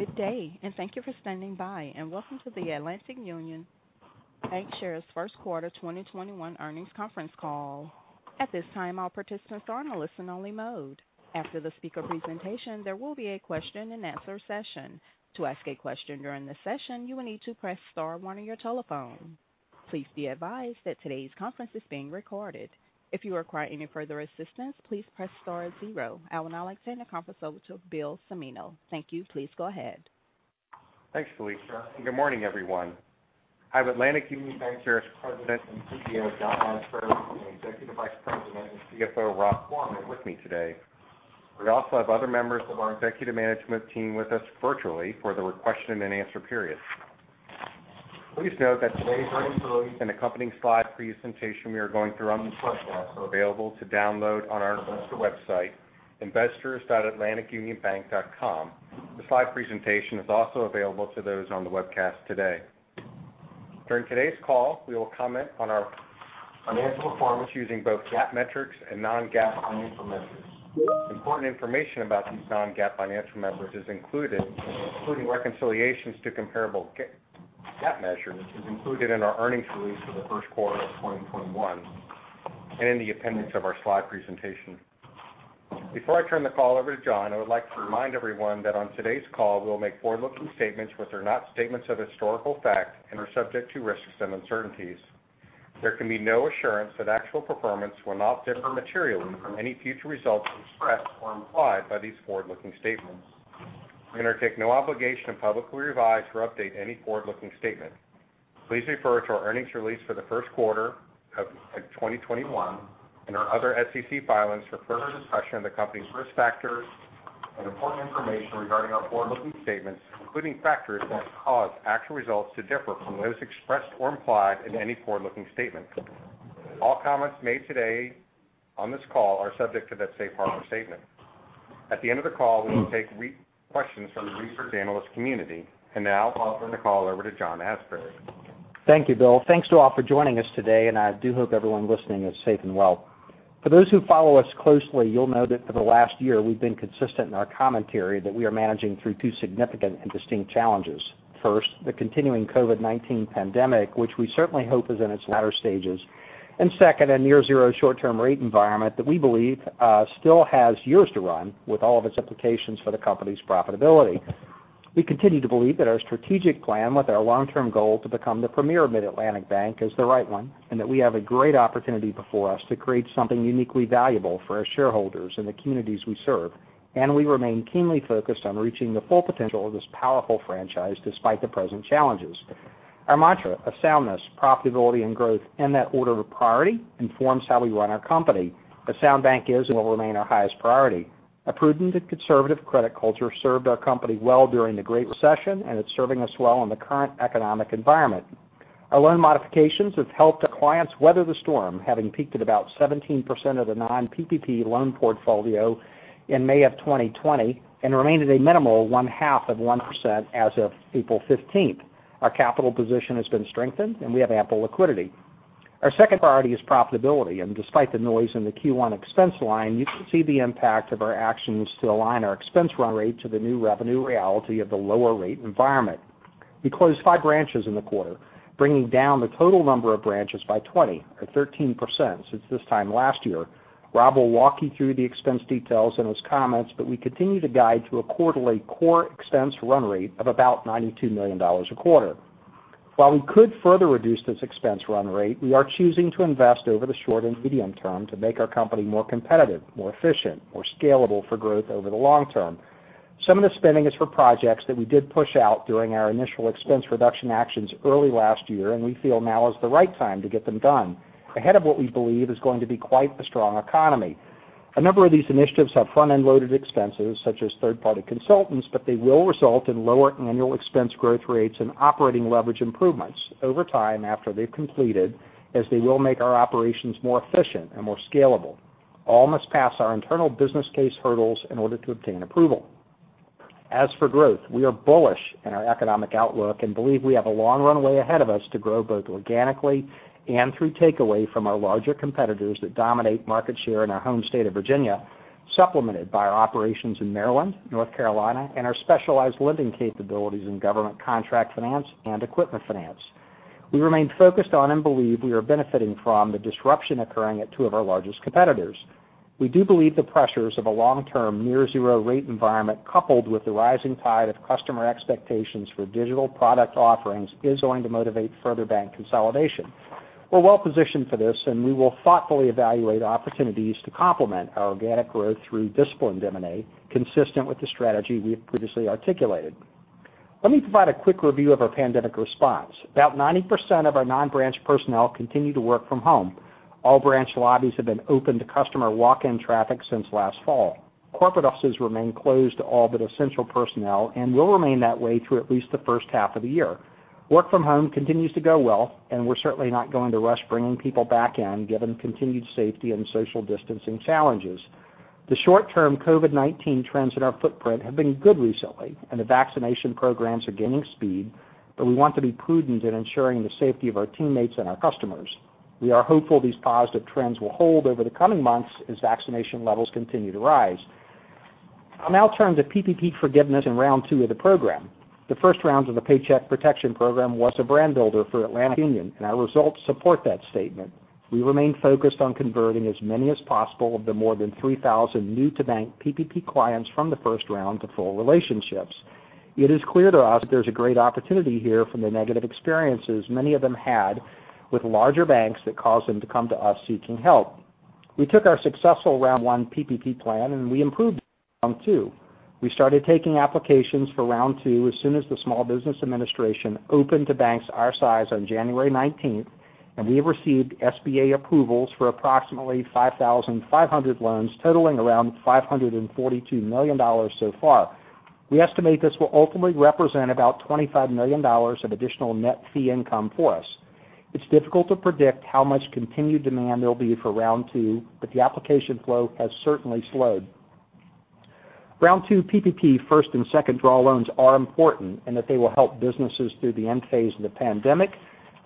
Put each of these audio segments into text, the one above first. Good day, thank you for standing by, and welcome to the Atlantic Union Bankshares First Quarter 2021 Earnings Conference Call. At this time, all participants are in a listen-only mode. After the speaker presentation, there will be a question-and-answer session. To ask a question during the session, you will need to press star one on your telephone. Please be advised that today's conference is being recorded. If you require any further assistance, please press star zero. I would now like to hand the conference over to Bill Cimino. Thank you. Please go ahead. Thanks, Felicia. Good morning, everyone. I have Atlantic Union Bankshares President and CEO, John C. Asbury, and Executive Vice President and CFO, Robert M. Gorman, with me today. We also have other members of our executive management team with us virtually for the question-and-answer period. Please note that today's earnings release and accompanying slide presentation we are going through on this webcast are available to download on our investor website, investors.atlanticunionbank.com. The slide presentation is also available to those on the webcast today. During today's call, we will comment on our financial performance using both GAAP metrics and non-GAAP financial measures. Important information about these non-GAAP financial measures is included, including reconciliations to comparable GAAP measures, is included in our earnings release for the first quarter of 2021, and in the appendix of our slide presentation. Before I turn the call over to John, I would like to remind everyone that on today's call, we will make forward-looking statements which are not statements of historical fact and are subject to risks and uncertainties. There can be no assurance that actual performance will not differ materially from any future results expressed or implied by these forward-looking statements. We undertake no obligation to publicly revise or update any forward-looking statement. Please refer to our earnings release for the first quarter of 2021 and our other SEC filings for further discussion of the company's risk factors and important information regarding our forward-looking statements, including factors that would cause actual results to differ from those expressed or implied in any forward-looking statement. All comments made today on this call are subject to the safe harbor statement. At the end of the call, we will take questions from the research analyst community. Now I'll turn the call over to John C. Asbury. Thank you, Bill. Thanks to all for joining us today, and I do hope everyone listening is safe and well. For those who follow us closely, you'll know that for the last year, we've been consistent in our commentary that we are managing through two significant and distinct challenges. First, the continuing COVID-19 pandemic, which we certainly hope is in its latter stages. Second, a near zero short-term rate environment that we believe still has years to run with all of its implications for the company's profitability. We continue to believe that our strategic plan with our long-term goal to become the premier Mid-Atlantic bank is the right one, and that we have a great opportunity before us to create something uniquely valuable for our shareholders and the communities we serve. We remain keenly focused on reaching the full potential of this powerful franchise despite the present challenges. Our mantra of soundness, profitability and growth in that order of priority informs how we run our company. A sound bank is and will remain our highest priority. A prudent and conservative credit culture served our company well during the Great Recession, and it's serving us well in the current economic environment. Our loan modifications have helped our clients weather the storm, having peaked at about 17% of the non-PPP loan portfolio in May of 2020 and remain at a minimal 0.5% as of April 15th. Our capital position has been strengthened, and we have ample liquidity. Our second priority is profitability, and despite the noise in the Q1 expense line, you can see the impact of our actions to align our expense run rate to the new revenue reality of the lower rate environment. We closed five branches in the quarter, bringing down the total number of branches by 20, or 13%, since this time last year. Rob will walk you through the expense details in his comments, but we continue to guide to a quarterly core expense run rate of about $92 million a quarter. While we could further reduce this expense run rate, we are choosing to invest over the short and medium term to make our company more competitive, more efficient, more scalable for growth over the long term. Some of the spending is for projects that we did push out during our initial expense reduction actions early last year, and we feel now is the right time to get them done, ahead of what we believe is going to be quite the strong economy. A number of these initiatives have front-end loaded expenses, such as third-party consultants. They will result in lower annual expense growth rates and operating leverage improvements over time after they've completed, as they will make our operations more efficient and more scalable. All must pass our internal business case hurdles in order to obtain approval. For growth, we are bullish in our economic outlook and believe we have a long runway ahead of us to grow both organically and through takeaway from our larger competitors that dominate market share in our home state of Virginia, supplemented by our operations in Maryland, North Carolina, and our specialized lending capabilities in government contract finance and equipment finance. We remain focused on and believe we are benefiting from the disruption occurring at two of our largest competitors. We do believe the pressures of a long-term near zero rate environment coupled with the rising tide of customer expectations for digital product offerings is going to motivate further bank consolidation. We're well-positioned for this, and we will thoughtfully evaluate opportunities to complement our organic growth through disciplined M&A consistent with the strategy we have previously articulated. Let me provide a quick review of our pandemic response. About 90% of our non-branch personnel continue to work from home. All branch lobbies have been open to customer walk-in traffic since last fall. Corporate offices remain closed to all but essential personnel and will remain that way through at least the first half of the year. Work from home continues to go well, and we're certainly not going to rush bringing people back in, given continued safety and social distancing challenges. The short-term COVID-19 trends in our footprint have been good recently, and the vaccination programs are gaining speed, but we want to be prudent in ensuring the safety of our teammates and our customers. We are hopeful these positive trends will hold over the coming months as vaccination levels continue to rise. I'll now turn to PPP forgiveness in round two of the program. The first round of the Paycheck Protection Program was a brand-builder for Atlantic Union, and our results support that statement. We remain focused on converting as many as possible of the more than 3,000 new-to-bank PPP clients from the first round to full relationships. It is clear to us that there's a great opportunity here from the negative experiences many of them had with larger banks that caused them to come to us seeking help. We took our successful round one PPP plan. We improved on round two. We started taking applications for round two as soon as the Small Business Administration opened to banks our size on January 19th. We have received SBA approvals for approximately 5,500 loans totaling around $542 million so far. We estimate this will ultimately represent about $25 million of additional net fee income for us. It's difficult to predict how much continued demand there'll be for round two, but the application flow has certainly slowed. Round two PPP first and second draw loans are important in that they will help businesses through the end phase of the pandemic.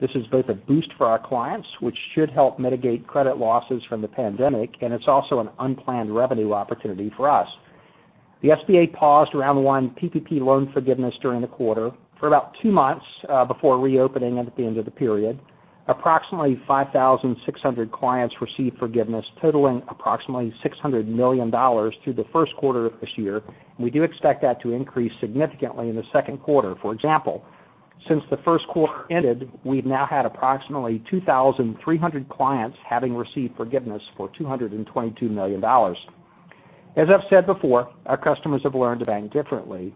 This is both a boost for our clients, which should help mitigate credit losses from the pandemic. It's also an unplanned revenue opportunity for us. The SBA paused round one PPP Loan Forgiveness during the quarter for about two months before reopening it at the end of the period. Approximately 5,600 clients received forgiveness totaling approximately $600 million through the first quarter of this year, and we do expect that to increase significantly in the second quarter. For example, since the first quarter ended, we've now had approximately 2,300 clients having received forgiveness for $222 million. As I've said before, our customers have learned to bank differently.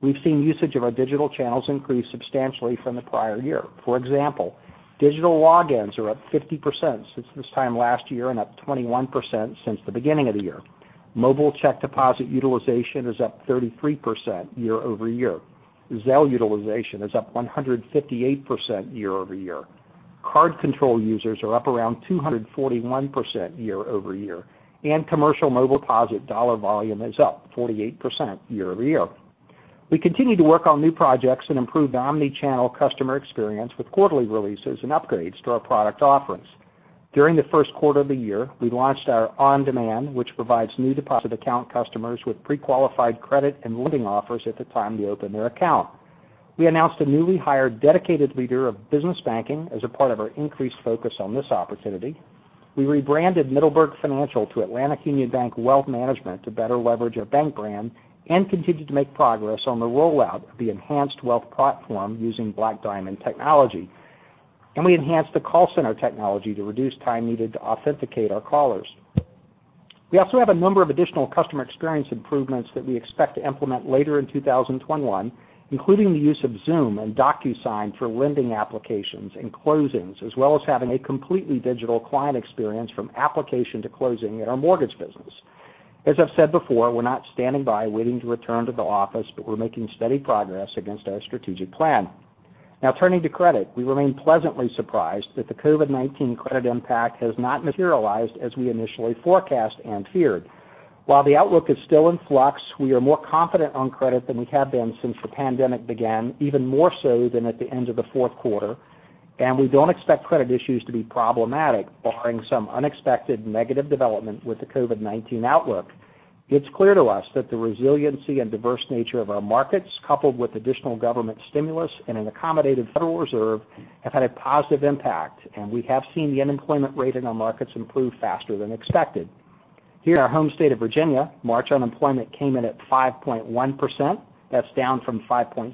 We've seen usage of our digital channels increase substantially from the prior year. For example, digital logins are up 50% since this time last year and up 21% since the beginning of the year. Mobile check deposit utilization is up 33% year-over-year. Zelle utilization is up 158% year-over-year. Card control users are up around 241% year-over-year. Commercial mobile deposit dollar volume is up 48% year-over-year. We continue to work on new projects and improve the omni-channel customer experience with quarterly releases and upgrades to our product offerings. During the first quarter of the year, we launched our On Demand, which provides new deposit account customers with pre-qualified credit and lending offers at the time they open their account. We announced a newly hired dedicated leader of business banking as a part of our increased focus on this opportunity. We rebranded Middleburg Financial to Atlantic Union Bank Wealth Management to better leverage our bank brand and continued to make progress on the rollout of the enhanced wealth platform using Black Diamond technology. We enhanced the call center technology to reduce time needed to authenticate our callers. We also have a number of additional customer experience improvements that we expect to implement later in 2021, including the use of Zoom and DocuSign for lending applications and closings, as well as having a completely digital client experience from application to closing in our mortgage business. As I've said before, we're not standing by waiting to return to the office, but we're making steady progress against our strategic plan. Now turning to credit, we remain pleasantly surprised that the COVID-19 credit impact has not materialized as we initially forecast and feared. While the outlook is still in flux, we are more confident on credit than we have been since the pandemic began, even more so than at the end of the fourth quarter, and we don't expect credit issues to be problematic barring some unexpected negative development with the COVID-19 outlook. It's clear to us that the resiliency and diverse nature of our markets, coupled with additional government stimulus and an accommodative Federal Reserve, have had a positive impact, and we have seen the unemployment rate in our markets improve faster than expected. Here in our home state of Virginia, March unemployment came in at 5.1%. That's down from 5.6%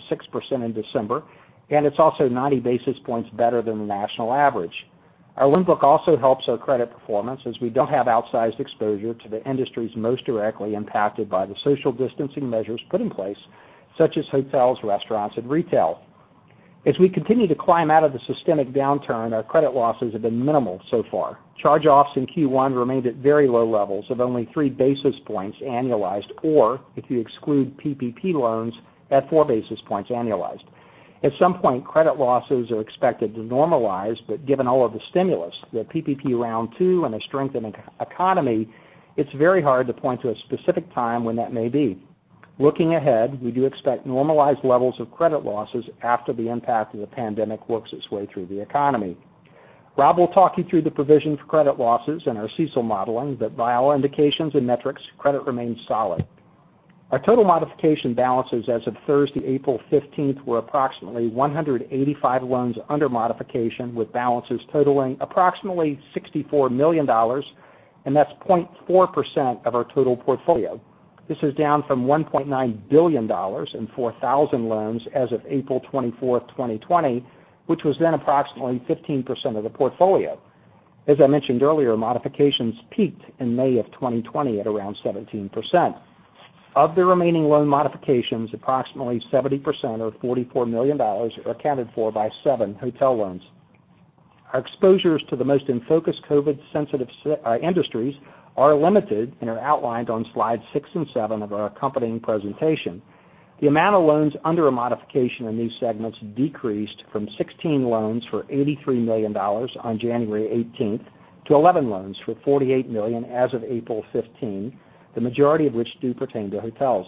in December, and it's also 90 basis points better than the national average. Our loan book also helps our credit performance, as we don't have outsized exposure to the industry's most directly impacted by the social distancing measures put in place, such as hotels, restaurants, and retail. As we continue to climb out of the systemic downturn, our credit losses have been minimal so far. Charge-offs in Q1 remained at very low levels of only three basis points annualized, or if you exclude PPP loans, at four basis points annualized. At some point, credit losses are expected to normalize, but given all of the stimulus, the PPP round two, and a strengthening economy, it's very hard to point to a specific time when that may be. Looking ahead, we do expect normalized levels of credit losses after the impact of the pandemic works its way through the economy. Rob will talk you through the provision for credit losses and our CECL modeling that, by all indications and metrics, credit remains solid. Our total modification balances as of Thursday, April 15th, were approximately 185 loans under modification, with balances totaling approximately $64 million, and that's 0.4% of our total portfolio. This is down from $1.9 billion in 4,000 loans as of April 24th, 2020, which was then approximately 15% of the portfolio. As I mentioned earlier, modifications peaked in May of 2020 at around 17%. Of the remaining loan modifications, approximately 70%, or $44 million, are accounted for by seven hotel loans. Our exposures to the most in-focus COVID sensitive industries are limited and are outlined on slides six and seven of our accompanying presentation. The amount of loans under a modification in these segments decreased from 16 loans for $83 million on January 18th to 11 loans for $48 million as of April 15, the majority of which do pertain to hotels.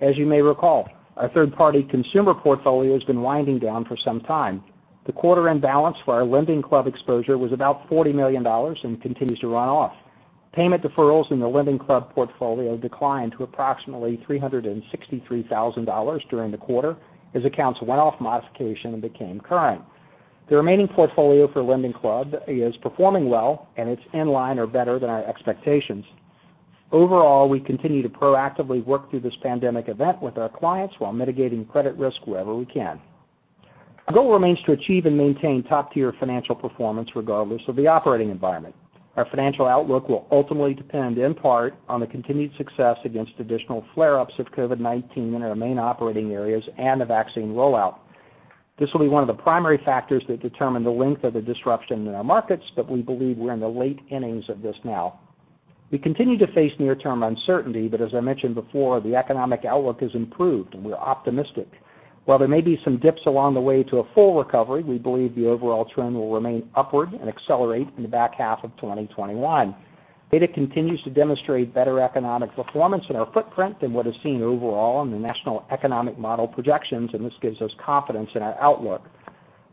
As you may recall, our third-party consumer portfolio has been winding down for some time. The quarter-end balance for our LendingClub exposure was about $40 million and continues to run off. Payment deferrals in the LendingClub portfolio declined to approximately $363,000 during the quarter as accounts went off modification and became current. The remaining portfolio for LendingClub is performing well, and it's in line or better than our expectations. Overall, we continue to proactively work through this pandemic event with our clients while mitigating credit risk wherever we can. Our goal remains to achieve and maintain top-tier financial performance regardless of the operating environment. Our financial outlook will ultimately depend in part on the continued success against additional flare-ups of COVID-19 in our main operating areas and the vaccine rollout. This will be one of the primary factors that determine the length of the disruption in our markets, but we believe we're in the late innings of this now. We continue to face near-term uncertainty, but as I mentioned before, the economic outlook has improved, and we're optimistic. While there may be some dips along the way to a full recovery, we believe the overall trend will remain upward and accelerate in the back half of 2021. Data continues to demonstrate better economic performance in our footprint than what is seen overall in the national economic model projections, and this gives us confidence in our outlook.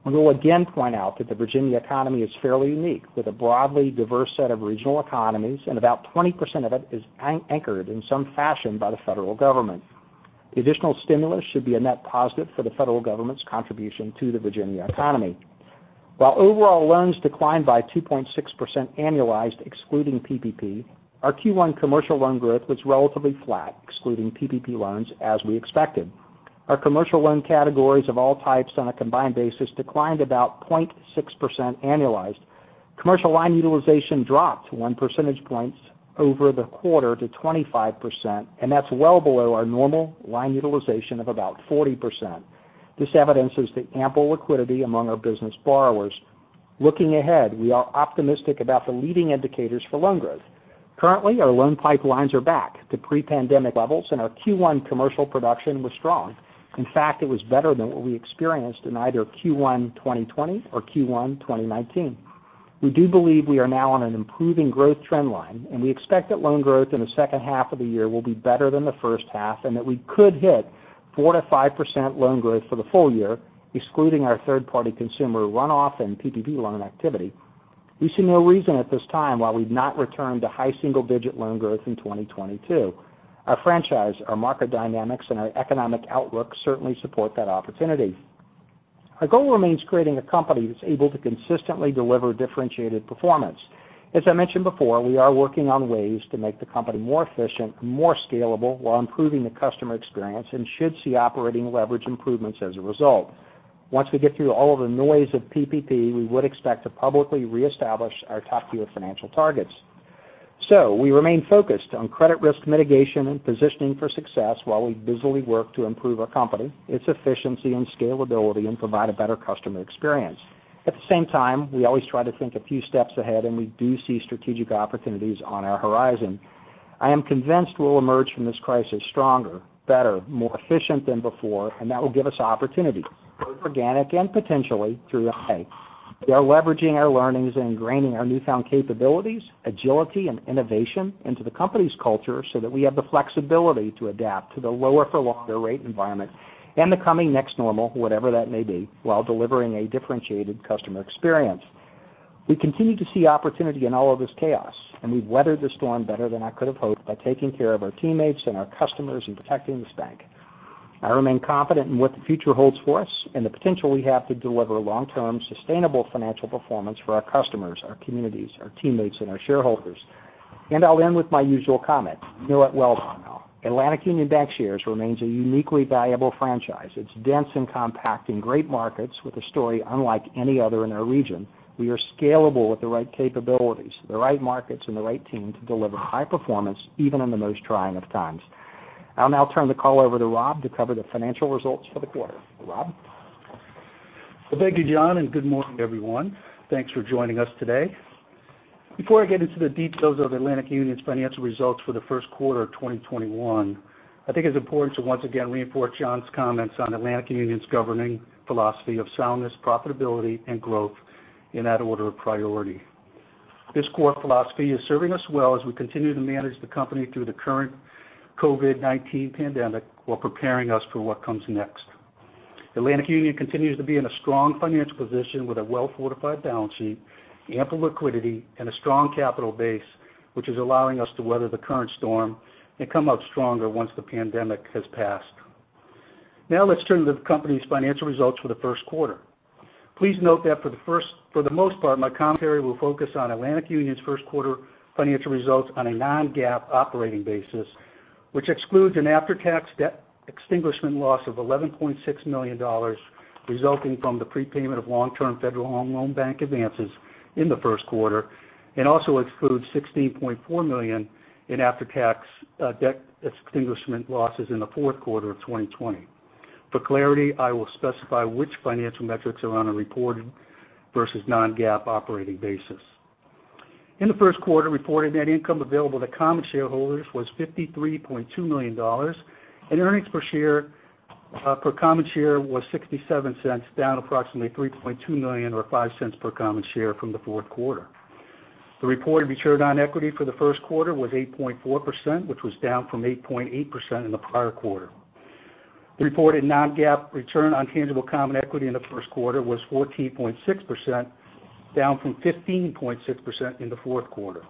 We will again point out that the Virginia economy is fairly unique, with a broadly diverse set of regional economies, and about 20% of it is anchored in some fashion by the Federal Government. The additional stimulus should be a net positive for the Federal Government's contribution to the Virginia economy. While overall loans declined by 2.6% annualized excluding PPP, our Q1 commercial loan growth was relatively flat, excluding PPP loans, as we expected. Our commercial loan categories of all types on a combined basis declined about 0.6% annualized. Commercial line utilization dropped one percentage point over the quarter to 25%, and that's well below our normal line utilization of about 40%. This evidences the ample liquidity among our business borrowers. Looking ahead, we are optimistic about the leading indicators for loan growth. Currently, our loan pipelines are back to pre-pandemic levels, and our Q1 commercial production was strong. In fact, it was better than what we experienced in either Q1 2020 or Q1 2019. We do believe we are now on an improving growth trend line, and we expect that loan growth in the second half of the year will be better than the first half and that we could hit 4%-5% loan growth for the full year, excluding our third-party consumer runoff and PPP loan activity. We see no reason at this time why we'd not return to high single-digit loan growth in 2022. Our franchise, our market dynamics, and our economic outlook certainly support that opportunity. Our goal remains creating a company that's able to consistently deliver differentiated performance. As I mentioned before, we are working on ways to make the company more efficient and more scalable while improving the customer experience and should see operating leverage improvements as a result. Once we get through all of the noise of PPP, we would expect to publicly reestablish our top-tier financial targets. We remain focused on credit risk mitigation and positioning for success while we busily work to improve our company, its efficiency and scalability, and provide a better customer experience. At the same time, we always try to think a few steps ahead, and we do see strategic opportunities on our horizon. I am convinced we'll emerge from this crisis stronger, better, more efficient than before, and that will give us opportunities, both organic and potentially through M&A. We are leveraging our learnings and ingraining our newfound capabilities, agility, and innovation into the company's culture so that we have the flexibility to adapt to the lower-for-longer rate environment and the coming next normal, whatever that may be, while delivering a differentiated customer experience. We continue to see opportunity in all of this chaos, and we've weathered the storm better than I could have hoped by taking care of our teammates and our customers and protecting this bank. I remain confident in what the future holds for us and the potential we have to deliver long-term sustainable financial performance for our customers, our communities, our teammates, and our shareholders. I'll end with my usual comment. You know it well by now. Atlantic Union Bankshares remains a uniquely valuable franchise. It's dense and compact in great markets with a story unlike any other in our region. We are scalable with the right capabilities, the right markets, and the right team to deliver high performance, even in the most trying of times. I'll now turn the call over to Rob to cover the financial results for the quarter. Rob? Well, thank you, John, and good morning, everyone. Thanks for joining us today. Before I get into the details of Atlantic Union's financial results for the first quarter of 2021, I think it's important to once again reinforce John's comments on Atlantic Union's governing philosophy of soundness, profitability, and growth in that order of priority. This core philosophy is serving us well as we continue to manage the company through the current COVID-19 pandemic while preparing us for what comes next. Atlantic Union continues to be in a strong financial position with a well-fortified balance sheet, ample liquidity, and a strong capital base, which is allowing us to weather the current storm and come out stronger once the pandemic has passed. Now let's turn to the company's financial results for the first quarter. Please note that for the most part, my commentary will focus on Atlantic Union's first quarter financial results on a non-GAAP operating basis, which excludes an after-tax debt extinguishment loss of $11.6 million resulting from the prepayment of long-term Federal Home Loan Bank advances in the first quarter and also excludes $16.4 million in after-tax debt extinguishment losses in the fourth quarter of 2020. For clarity, I will specify which financial metrics are on a reported versus non-GAAP operating basis. In the first quarter, reported net income available to common shareholders was $53.2 million, and earnings per common share was $0.67, down approximately $3.2 million or $0.05 per common share from the fourth quarter. The reported return on equity for the first quarter was 8.4%, which was down from 8.8% in the prior quarter. The reported non-GAAP return on tangible common equity in the first quarter was 14.6%, down from 15.6% in the fourth quarter.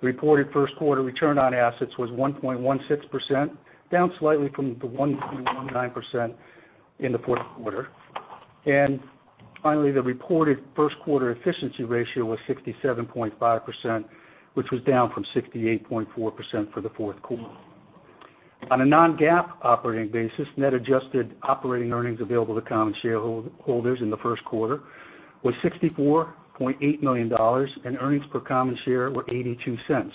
The reported first quarter return on assets was 1.16%, down slightly from the 1.19% in the fourth quarter. Finally, the reported first quarter efficiency ratio was 67.5%, which was down from 68.4% for the fourth quarter. On a non-GAAP operating basis, net adjusted operating earnings available to common shareholders in the first quarter was $64.8 million, and earnings per common share were $0.82.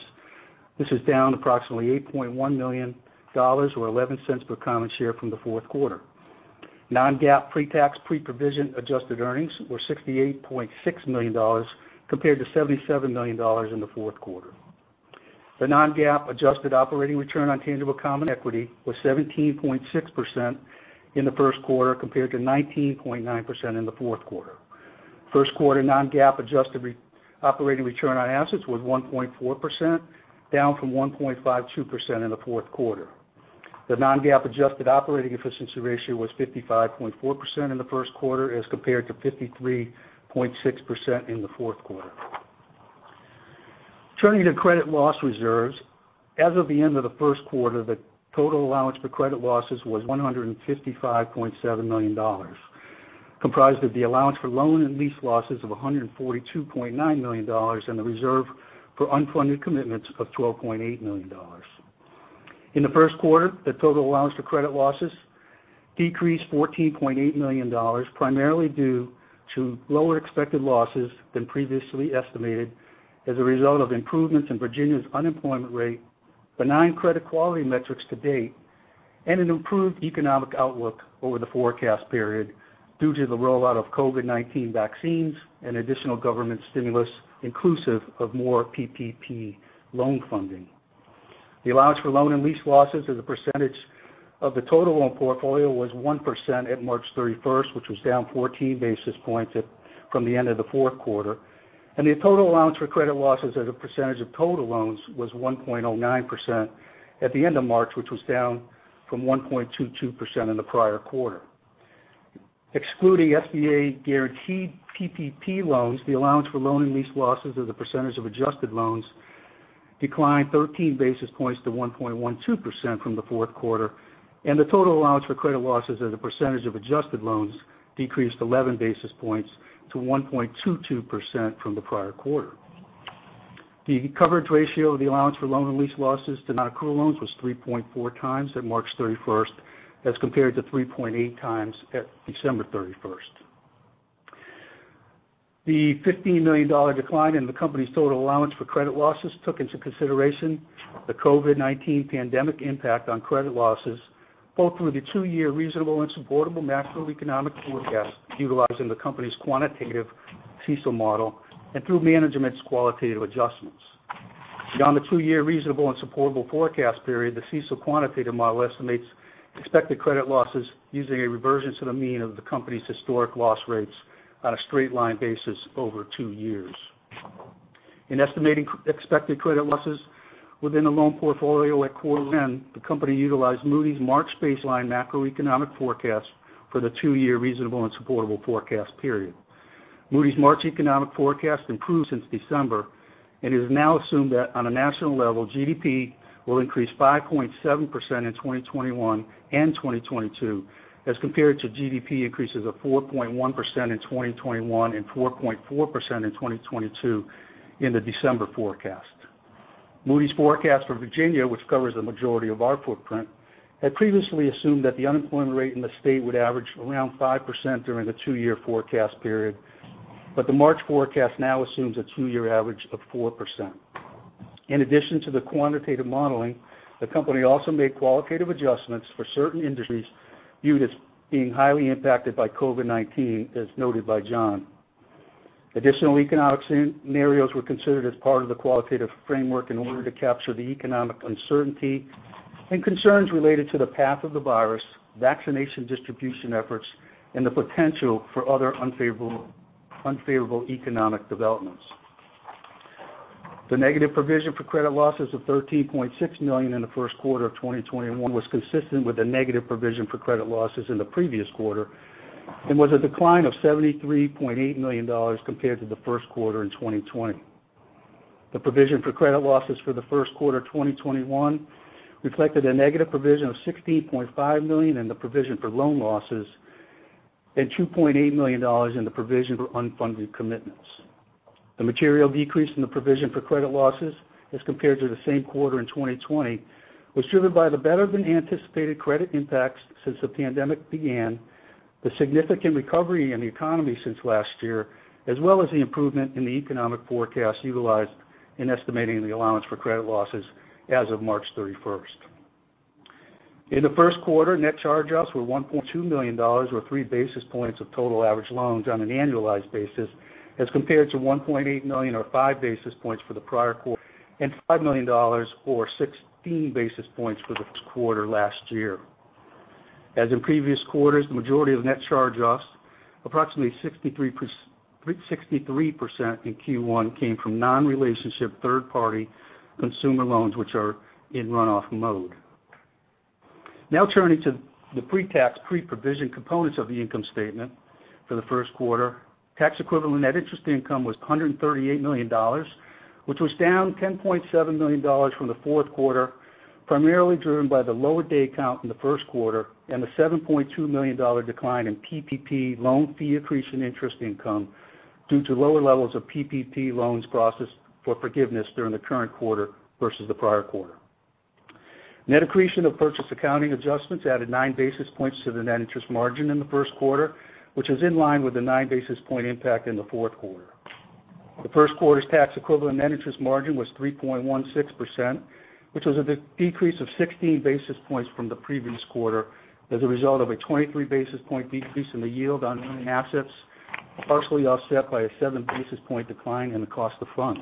This is down approximately $8.1 million, or $0.11 per common share from the fourth quarter. Non-GAAP pre-tax, pre-provision adjusted earnings were $68.6 million, compared to $77 million in the fourth quarter. The non-GAAP adjusted operating return on tangible common equity was 17.6% in the first quarter, compared to 19.9% in the fourth quarter. First quarter non-GAAP adjusted operating return on assets was 1.4%, down from 1.52% in the fourth quarter. The non-GAAP adjusted operating efficiency ratio was 55.4% in the first quarter as compared to 53.6% in the fourth quarter. Turning to credit loss reserves, as of the end of the first quarter, the total allowance for credit losses was $155.7 million, comprised of the allowance for loan and lease losses of $142.9 million, and the reserve for unfunded commitments of $12.8 million. In the first quarter, the total allowance for credit losses decreased $14.8 million, primarily due to lower expected losses than previously estimated as a result of improvements in Virginia's unemployment rate, benign credit quality metrics to date, and an improved economic outlook over the forecast period due to the rollout of COVID-19 vaccines and additional government stimulus inclusive of more PPP loan funding. The allowance for loan and lease losses as a percentage of the total loan portfolio was 1% at March 31st, which was down 14 basis points from the end of the fourth quarter. The total allowance for credit losses as a percentage of total loans was 1.09% at the end of March, which was down from 1.22% in the prior quarter. Excluding SBA-guaranteed PPP loans, the allowance for loan and lease losses as a percentage of adjusted loans declined 13 basis points to 1.12% from the fourth quarter, and the total allowance for credit losses as a percentage of adjusted loans decreased 11 basis points to 1.22% from the prior quarter. The coverage ratio of the allowance for loan and lease losses to non-accrual loans was 3.4x at March 31st, as compared to 3.8x at December 31st. The $15 million decline in the company's total allowance for credit losses took into consideration the COVID-19 pandemic impact on credit losses, both through the two-year reasonable and supportable macroeconomic forecast utilizing the company's quantitative CECL model and through management's qualitative adjustments. Beyond the two-year reasonable and supportable forecast period, the CECL quantitative model estimates expected credit losses using a reversion to the mean of the company's historic loss rates on a straight-line basis over two years. In estimating expected credit losses within the loan portfolio at quarter end, the company utilized Moody's March baseline macroeconomic forecast for the two-year reasonable and supportable forecast period. Moody's March economic forecast improved since December and has now assumed that on a national level, GDP will increase 5.7% in 2021 and 2022 as compared to GDP increases of 4.1% in 2021 and 4.4% in 2022 in the December forecast. Moody's forecast for Virginia, which covers the majority of our footprint, had previously assumed that the unemployment rate in the state would average around 5% during the two-year forecast period. The March forecast now assumes a two-year average of 4%. In addition to the quantitative modeling, the company also made qualitative adjustments for certain industries viewed as being highly impacted by COVID-19, as noted by John. Additional economic scenarios were considered as part of the qualitative framework in order to capture the economic uncertainty and concerns related to the path of the virus, vaccination distribution efforts, and the potential for other unfavorable economic developments. The negative provision for credit losses of $13.6 million in the first quarter of 2021 was consistent with the negative provision for credit losses in the previous quarter and was a decline of $73.8 million compared to the first quarter in 2020. The provision for credit losses for the first quarter 2021 reflected a negative provision of $16.5 million in the provision for loan losses and $2.8 million in the provision for unfunded commitments. The material decrease in the provision for credit losses as compared to the same quarter in 2020 was driven by the better-than-anticipated credit impacts since the pandemic began, the significant recovery in the economy since last year, as well as the improvement in the economic forecast utilized in estimating the allowance for credit losses as of March 31st. In the first quarter, net charge-offs were $1.2 million, or three basis points of total average loans on an annualized basis, as compared to $1.8 million, or five basis points for the prior quarter and $5 million, or 16 basis points for the first quarter last year. As in previous quarters, the majority of net charge-offs, approximately 63% in Q1, came from non-relationship third-party consumer loans which are in runoff mode. Turning to the pre-tax, pre-provision components of the income statement for the first quarter. Tax-equivalent net interest income was $138 million, which was down $10.7 million from the fourth quarter, primarily driven by the lower day count in the first quarter and the $7.2 million decline in PPP loan fee accretion interest income due to lower levels of PPP loans processed for forgiveness during the current quarter versus the prior quarter. Net accretion of purchase accounting adjustments added nine basis points to the net interest margin in the first quarter, which is in line with the nine basis point impact in the fourth quarter. The first quarter's tax-equivalent net interest margin was 3.16%, which was a decrease of 60 basis points from the previous quarter as a result of a 23 basis point decrease in the yield on earning assets, partially offset by a seven basis point decline in the cost of funds.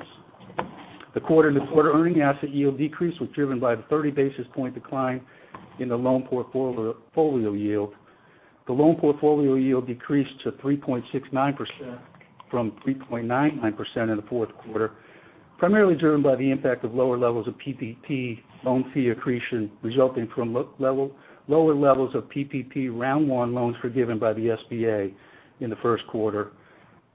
The quarter-to-quarter earning asset yield decrease was driven by the 30 basis point decline in the loan portfolio yield. The loan portfolio yield decreased to 3.69% from 3.99% in the fourth quarter, primarily driven by the impact of lower levels of PPP loan fee accretion resulting from lower levels of PPP Round One loans forgiven by the SBA in the first quarter.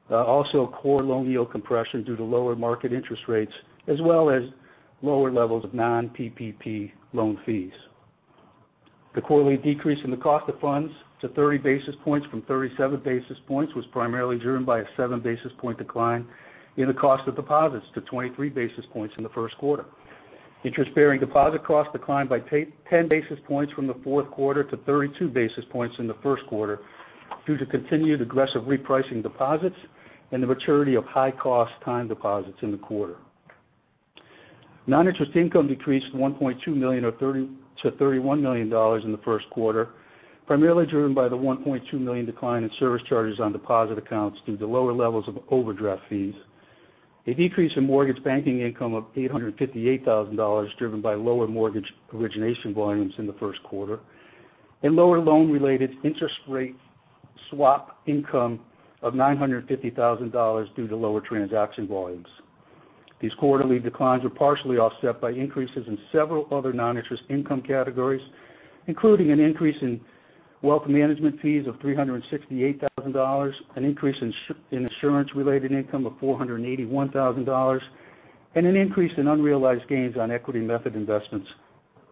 Core loan yield compression due to lower market interest rates, as well as lower levels of non-PPP loan fees. The quarterly decrease in the cost of funds to 30 basis points from 37 basis points was primarily driven by a seven basis point decline in the cost of deposits to 23 basis points in the first quarter. Interest-bearing deposit costs declined by 10 basis points from the fourth quarter to 32 basis points in the first quarter due to continued aggressive repricing deposits and the maturity of high-cost time deposits in the quarter. Non-interest income decreased $1.2 million-$31 million in the first quarter, primarily driven by the $1.2 million decline in service charges on deposit accounts due to lower levels of overdraft fees. A decrease in mortgage banking income of $858,000, driven by lower mortgage origination volumes in the first quarter, and lower loan-related interest rate swap income of $950,000 due to lower transaction volumes. These quarterly declines were partially offset by increases in several other non-interest income categories, including an increase in wealth management fees of $368,000, an increase in insurance-related income of $481,000, and an increase in unrealized gains on equity method investments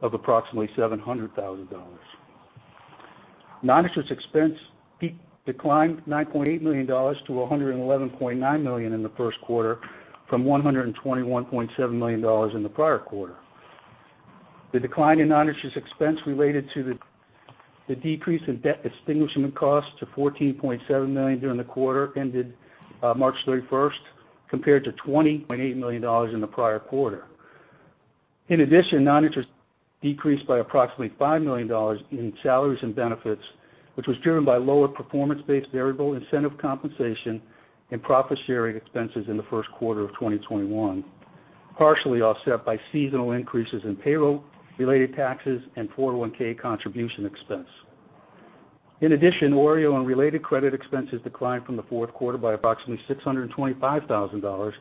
of approximately $700,000. Non-interest expense declined $9.8 million-$111.9 million in the first quarter from $121.7 million in the prior quarter. The decline in non-interest expense related to the decrease in debt extinguishment costs to $14.7 million during the quarter ended March 31st, compared to $20.8 million in the prior quarter. In addition, non-interest decreased by approximately $5 million in salaries and benefits, which was driven by lower performance-based variable incentive compensation and profit-sharing expenses in the first quarter of 2021, partially offset by seasonal increases in payroll-related taxes and 401(k) contribution expense. In addition, OREO and related credit expenses declined from the fourth quarter by approximately $625,000,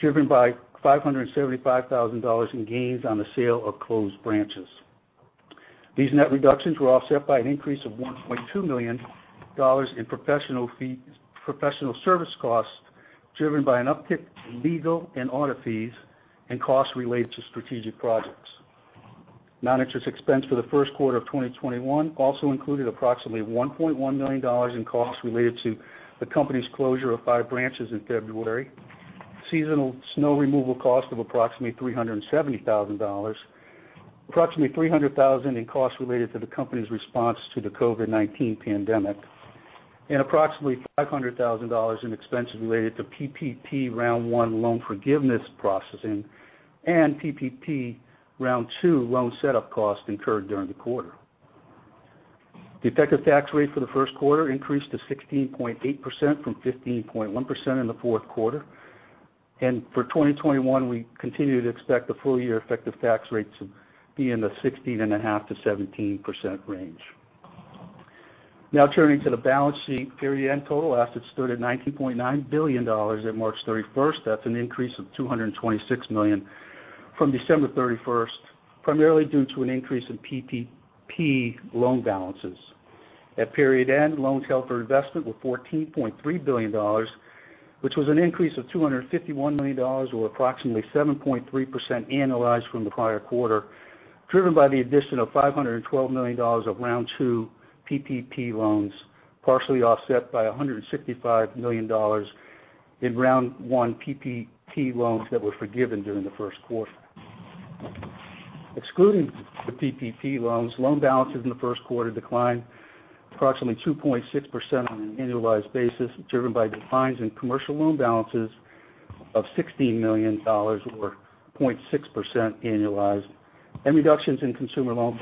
driven by $575,000 in gains on the sale of closed branches. These net reductions were offset by an increase of $1.2 million in professional service costs, driven by an uptick in legal and audit fees and costs related to strategic projects. Non-interest expense for the first quarter of 2021 also included approximately $1.1 million in costs related to the company's closure of five branches in February, seasonal snow removal cost of approximately $370,000, approximately $300,000 in costs related to the company's response to the COVID-19 pandemic, and approximately $500,000 in expenses related to PPP Round One loan forgiveness processing and PPP Round Two loan set-up costs incurred during the quarter. The effective tax rate for the first quarter increased to 16.8% from 15.1% in the fourth quarter. For 2021, we continue to expect the full-year effective tax rate to be in the 16.5%-17% range. Now turning to the balance sheet. Period-end total assets stood at $19.9 billion at March 31st. That's an increase of $226 million from December 31st, primarily due to an increase in PPP loan balances. At period end, loans held for investment were $14.3 billion, which was an increase of $251 million, or approximately 7.3% annualized from the prior quarter, driven by the addition of $512 million of Round Two PPP loans, partially offset by $165 million in Round One PPP loans that were forgiven during the first quarter. Excluding the PPP loans, loan balances in the first quarter declined approximately 2.6% on an annualized basis, driven by declines in commercial loan balances of $16 million, or 0.6% annualized, and reductions in consumer loan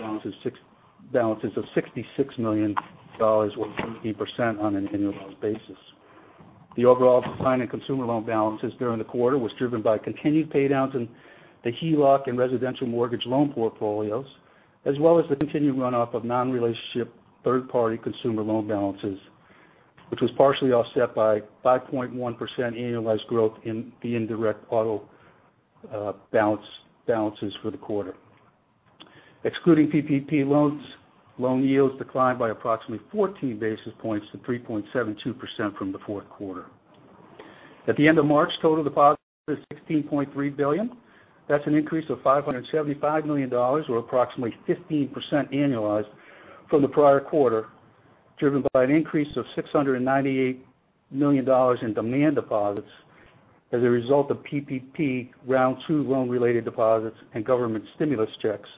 balances of $66 million, or 15% on an annualized basis. The overall decline in consumer loan balances during the quarter was driven by continued pay-downs in the HELOC and residential mortgage loan portfolios, as well as the continued runoff of non-relationship third-party consumer loan balances, which was partially offset by 5.1% annualized growth in the indirect auto balances for the quarter. Excluding PPP loans, loan yields declined by approximately 14 basis points to 3.72% from the fourth quarter. At the end of March, total deposits were $16.3 billion. That's an increase of $575 million or approximately 15% annualized from the prior quarter, driven by an increase of $698 million in demand deposits as a result of PPP round two loan-related deposits and government stimulus checks,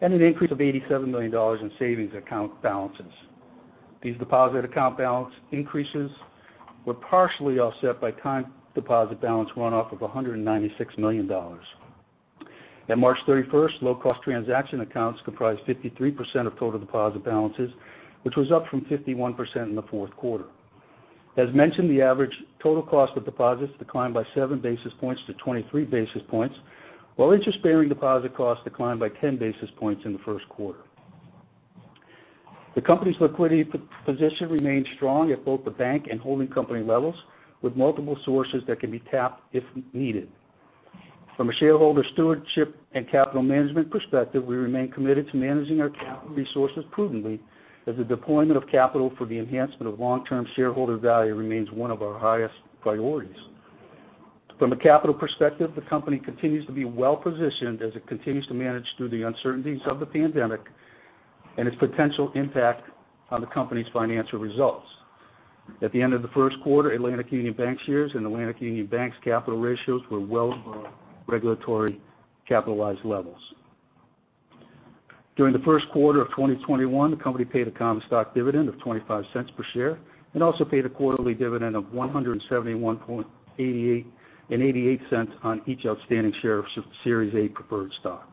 and an increase of $87 million in savings account balances. These deposit account balance increases were partially offset by time deposit balance runoff of $196 million. At March 31st, low-cost transaction accounts comprised 53% of total deposit balances, which was up from 51% in the fourth quarter. As mentioned, the average total cost of deposits declined by seven basis points to 23 basis points, while interest-bearing deposit costs declined by 10 basis points in the first quarter. The company's liquidity position remains strong at both the bank and holding company levels, with multiple sources that can be tapped if needed. From a shareholder stewardship and capital management perspective, we remain committed to managing our capital resources prudently as the deployment of capital for the enhancement of long-term shareholder value remains one of our highest priorities. From a capital perspective, the company continues to be well-positioned as it continues to manage through the uncertainties of the pandemic and its potential impact on the company's financial results. At the end of the first quarter, Atlantic Union Bankshares and Atlantic Union Bank's capital ratios were well above regulatory capitalized levels. During the first quarter of 2021, the company paid a common stock dividend of $0.25 per share and also paid a quarterly dividend of $1.7188 on each outstanding share of Series A preferred stock.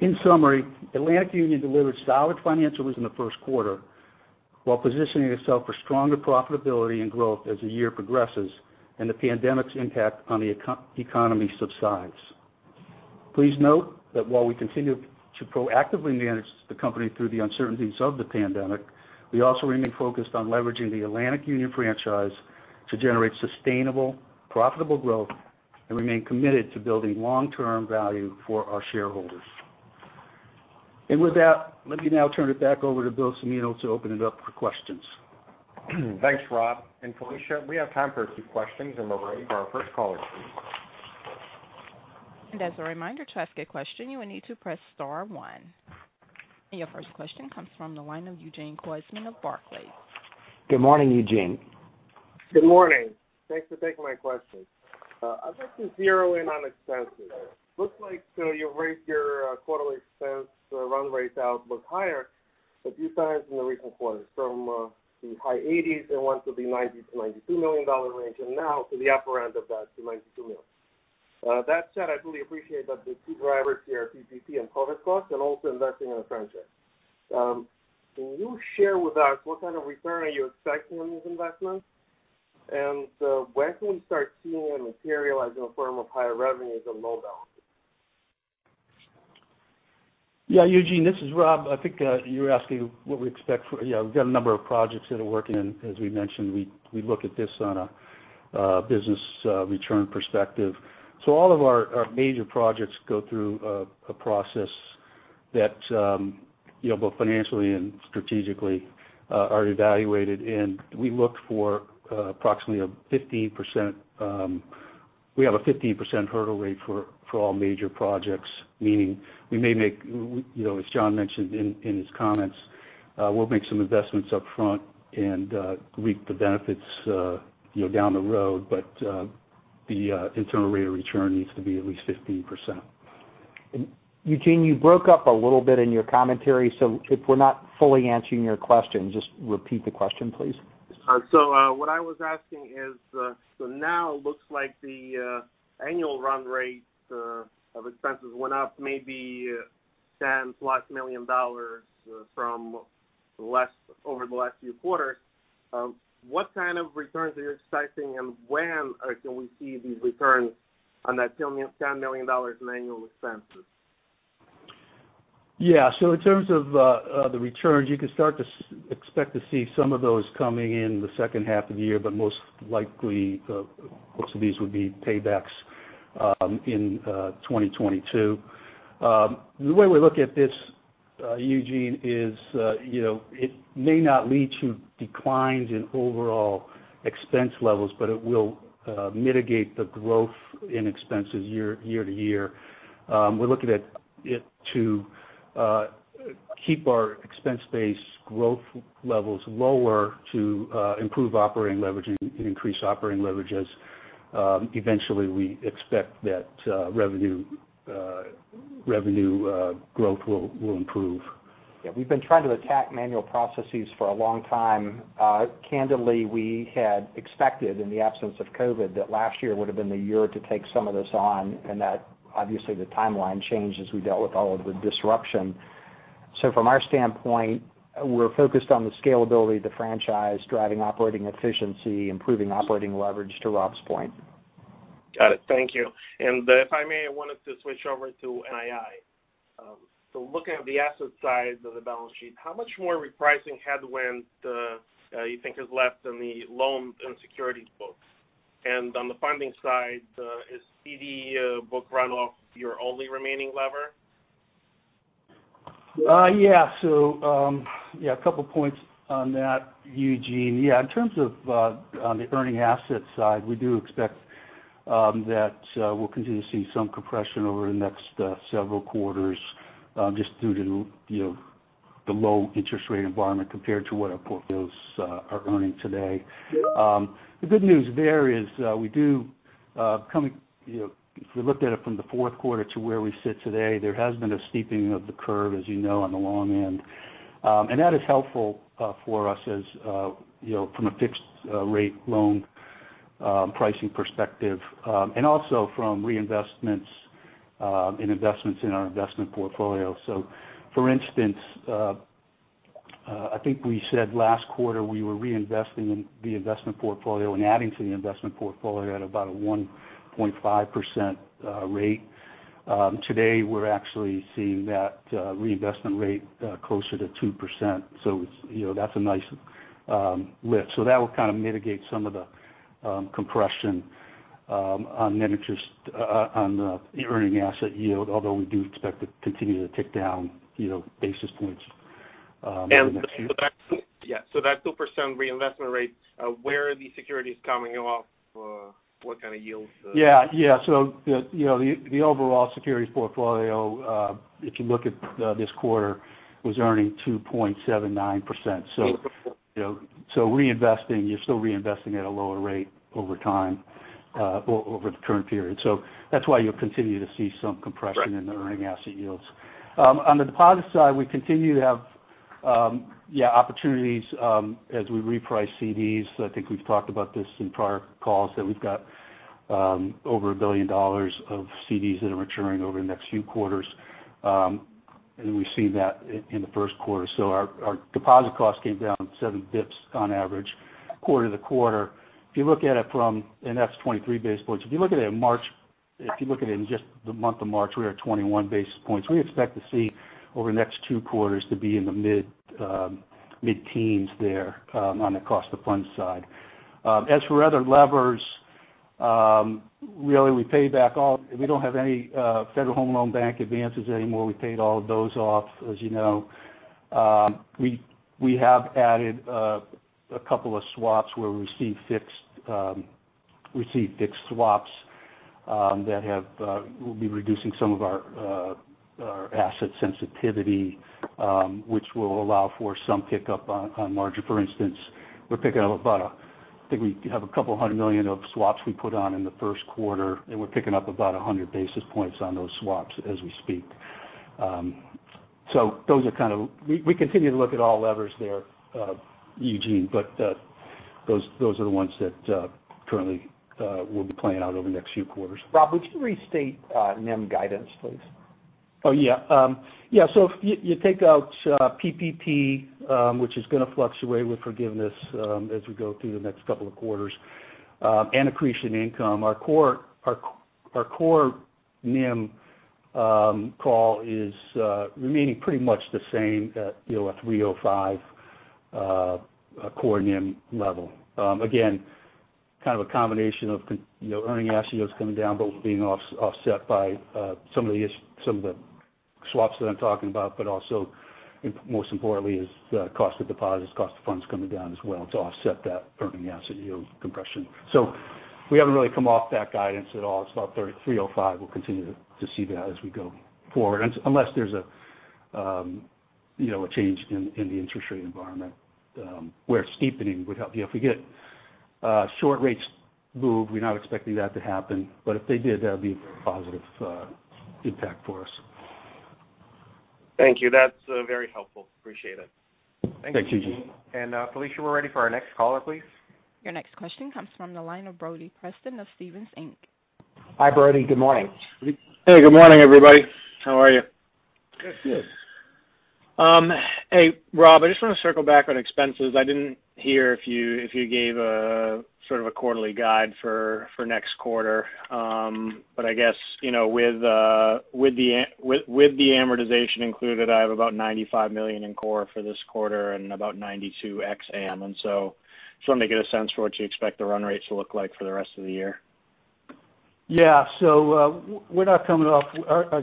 In summary, Atlantic Union delivered solid financials in the first quarter while positioning itself for stronger profitability and growth as the year progresses and the pandemic's impact on the economy subsides. Please note that while we continue to proactively manage the company through the uncertainties of the pandemic, we also remain focused on leveraging the Atlantic Union franchise to generate sustainable, profitable growth and remain committed to building long-term value for our shareholders. With that, let me now turn it back over to Bill Cimino to open it up for questions. Thanks, Rob. Felicia, we have time for a few questions, and we're ready for our first caller, please. As a reminder, to ask a question, you will need to press star one. Your first question comes from the line of Eugene Koysman of Barclays. Good morning, Eugene. Good morning. Thanks for taking my question. I'd like to zero in on expenses. Looks like you've raised your quarterly expense run rate outlook higher a few times in the recent quarters from the high $80 million and once to the $90 million-$92 million range and now to the upper end of that to $92 million. That said, I fully appreciate that the two drivers here are PPP and COVID-19 costs and also investing in the franchise. Can you share with us what kind of return are you expecting on these investments? When can we start seeing them materialize in the form of higher revenues and loan balances? Yeah, Eugene, this is Rob. I think you're asking what we expect. Yeah, we've got a number of projects that are working, and as we mentioned, we look at this on a business return perspective. All of our major projects go through a process that both financially and strategically are evaluated, and we look for approximately a 15% hurdle rate for all major projects, meaning we may make, as John mentioned in his comments, we'll make some investments upfront and reap the benefits down the road. The internal rate of return needs to be at least 15%. Eugene, you broke up a little bit in your commentary, so if we're not fully answering your question, just repeat the question, please. What I was asking is, so now it looks like the annual run rate of expenses went up maybe $10+ million from over the last few quarters. What kind of returns are you expecting, and when can we see these returns on that $10 million in annual expenses? Yeah. In terms of the returns, you can start to expect to see some of those coming in the second half of the year, but most likely, most of these would be paybacks in 2022. The way we look at this, Eugene, is it may not lead to declines in overall expense levels, but it will mitigate the growth in expenses year to year. We're looking at it to keep our expense base growth levels lower to improve operating leverage and increase operating leverages. Eventually, we expect that revenue growth will improve. Yeah, we've been trying to attack manual processes for a long time. Candidly, we had expected in the absence of COVID that last year would've been the year to take some of this on, that obviously the timeline changed as we dealt with all of the disruption. From our standpoint, we're focused on the scalability of the franchise, driving operating efficiency, improving operating leverage, to Rob's point. Got it. Thank you. If I may, I wanted to switch over to NII. Looking at the asset side of the balance sheet, how much more repricing headwind do you think is left in the loan and securities books? On the funding side, is CD book runoff your only remaining lever? Yeah. A couple points on that, Eugene. Yeah, in terms of on the earning asset side, we do expect that we'll continue to see some compression over the next several quarters, just due to the low interest rate environment compared to what our portfolios are earning today. The good news there is we, if we looked at it from the fourth quarter to where we sit today, there has been a steepening of the curve, as you know, on the long end. That is helpful for us as from a fixed rate loan pricing perspective, and also from reinvestments in investments in our investment portfolio. For instance, I think we said last quarter we were reinvesting in the investment portfolio and adding to the investment portfolio at about a 1.5% rate. Today, we're actually seeing that reinvestment rate closer to 2%. That's a nice lift. That will kind of mitigate some of the compression on the earning asset yield, although we do expect it continue to tick down basis points over the next few. Yeah. That 2% reinvestment rate, where are these securities coming off? What kind of yields? Yeah. The overall securities portfolio, if you look at this quarter, was earning 2.79%. You're still reinvesting at a lower rate over time, over the current period. That's why you'll continue to see some compression. Right. In the earning asset yields. On the deposit side, we continue to have opportunities as we reprice CDs. I think we've talked about this in prior calls, that we've got over $1 billion of CDs that are maturing over the next few quarters. We've seen that in the first quarter. Our deposit costs came down seven basis points on average quarter-over-quarter. That's 23 basis points. If you look at it in just the month of March, we are at 21 basis points. We expect to see over the next two quarters to be in the mid-10s there on the cost of funds side. As for other levers, really, we don't have any Federal Home Loan Bank advances anymore. We paid all of those off, as you know. We have added a couple of swaps where we received fixed swaps that will be reducing some of our asset sensitivity, which will allow for some pickup on margin. For instance, we're picking up about a couple hundred million of swaps we put on in the first quarter, and we're picking up about 100 basis points on those swaps as we speak. We continue to look at all levers there, Eugene, but those are the ones that currently will be playing out over the next few quarters. Rob, would you restate NIM guidance, please? Oh, yeah. If you take out PPP, which is going to fluctuate with forgiveness as we go through the next couple of quarters, and accretion income, our core NIM call is remaining pretty much the same at 305 core NIM level. Again, kind of a combination of earning asset yields coming down, but with being offset by some of the swaps that I'm talking about. Also, most importantly, is the cost of deposits, cost of funds coming down as well to offset that earning asset yield compression. We haven't really come off that guidance at all. It's about 305. We'll continue to see that as we go forward. Unless there's a change in the interest rate environment, where steepening would help. If we get short rates move, we're not expecting that to happen, but if they did, that would be a positive impact for us. Thank you. That's very helpful. Appreciate it. Thanks, Eugene. Felicia, we're ready for our next caller, please. Your next question comes from the line of Brody Preston of Stephens Inc. Hi, Brody. Good morning. Hey, good morning, everybody. How are you? Good. Good. Hey, Rob, I just want to circle back on expenses. I didn't hear if you gave a sort of a quarterly guide for next quarter. I guess with the amortization included, I have about $95 million in core for this quarter and about $92 million. Just want to get a sense for what you expect the run rates to look like for the rest of the year. Yeah. Our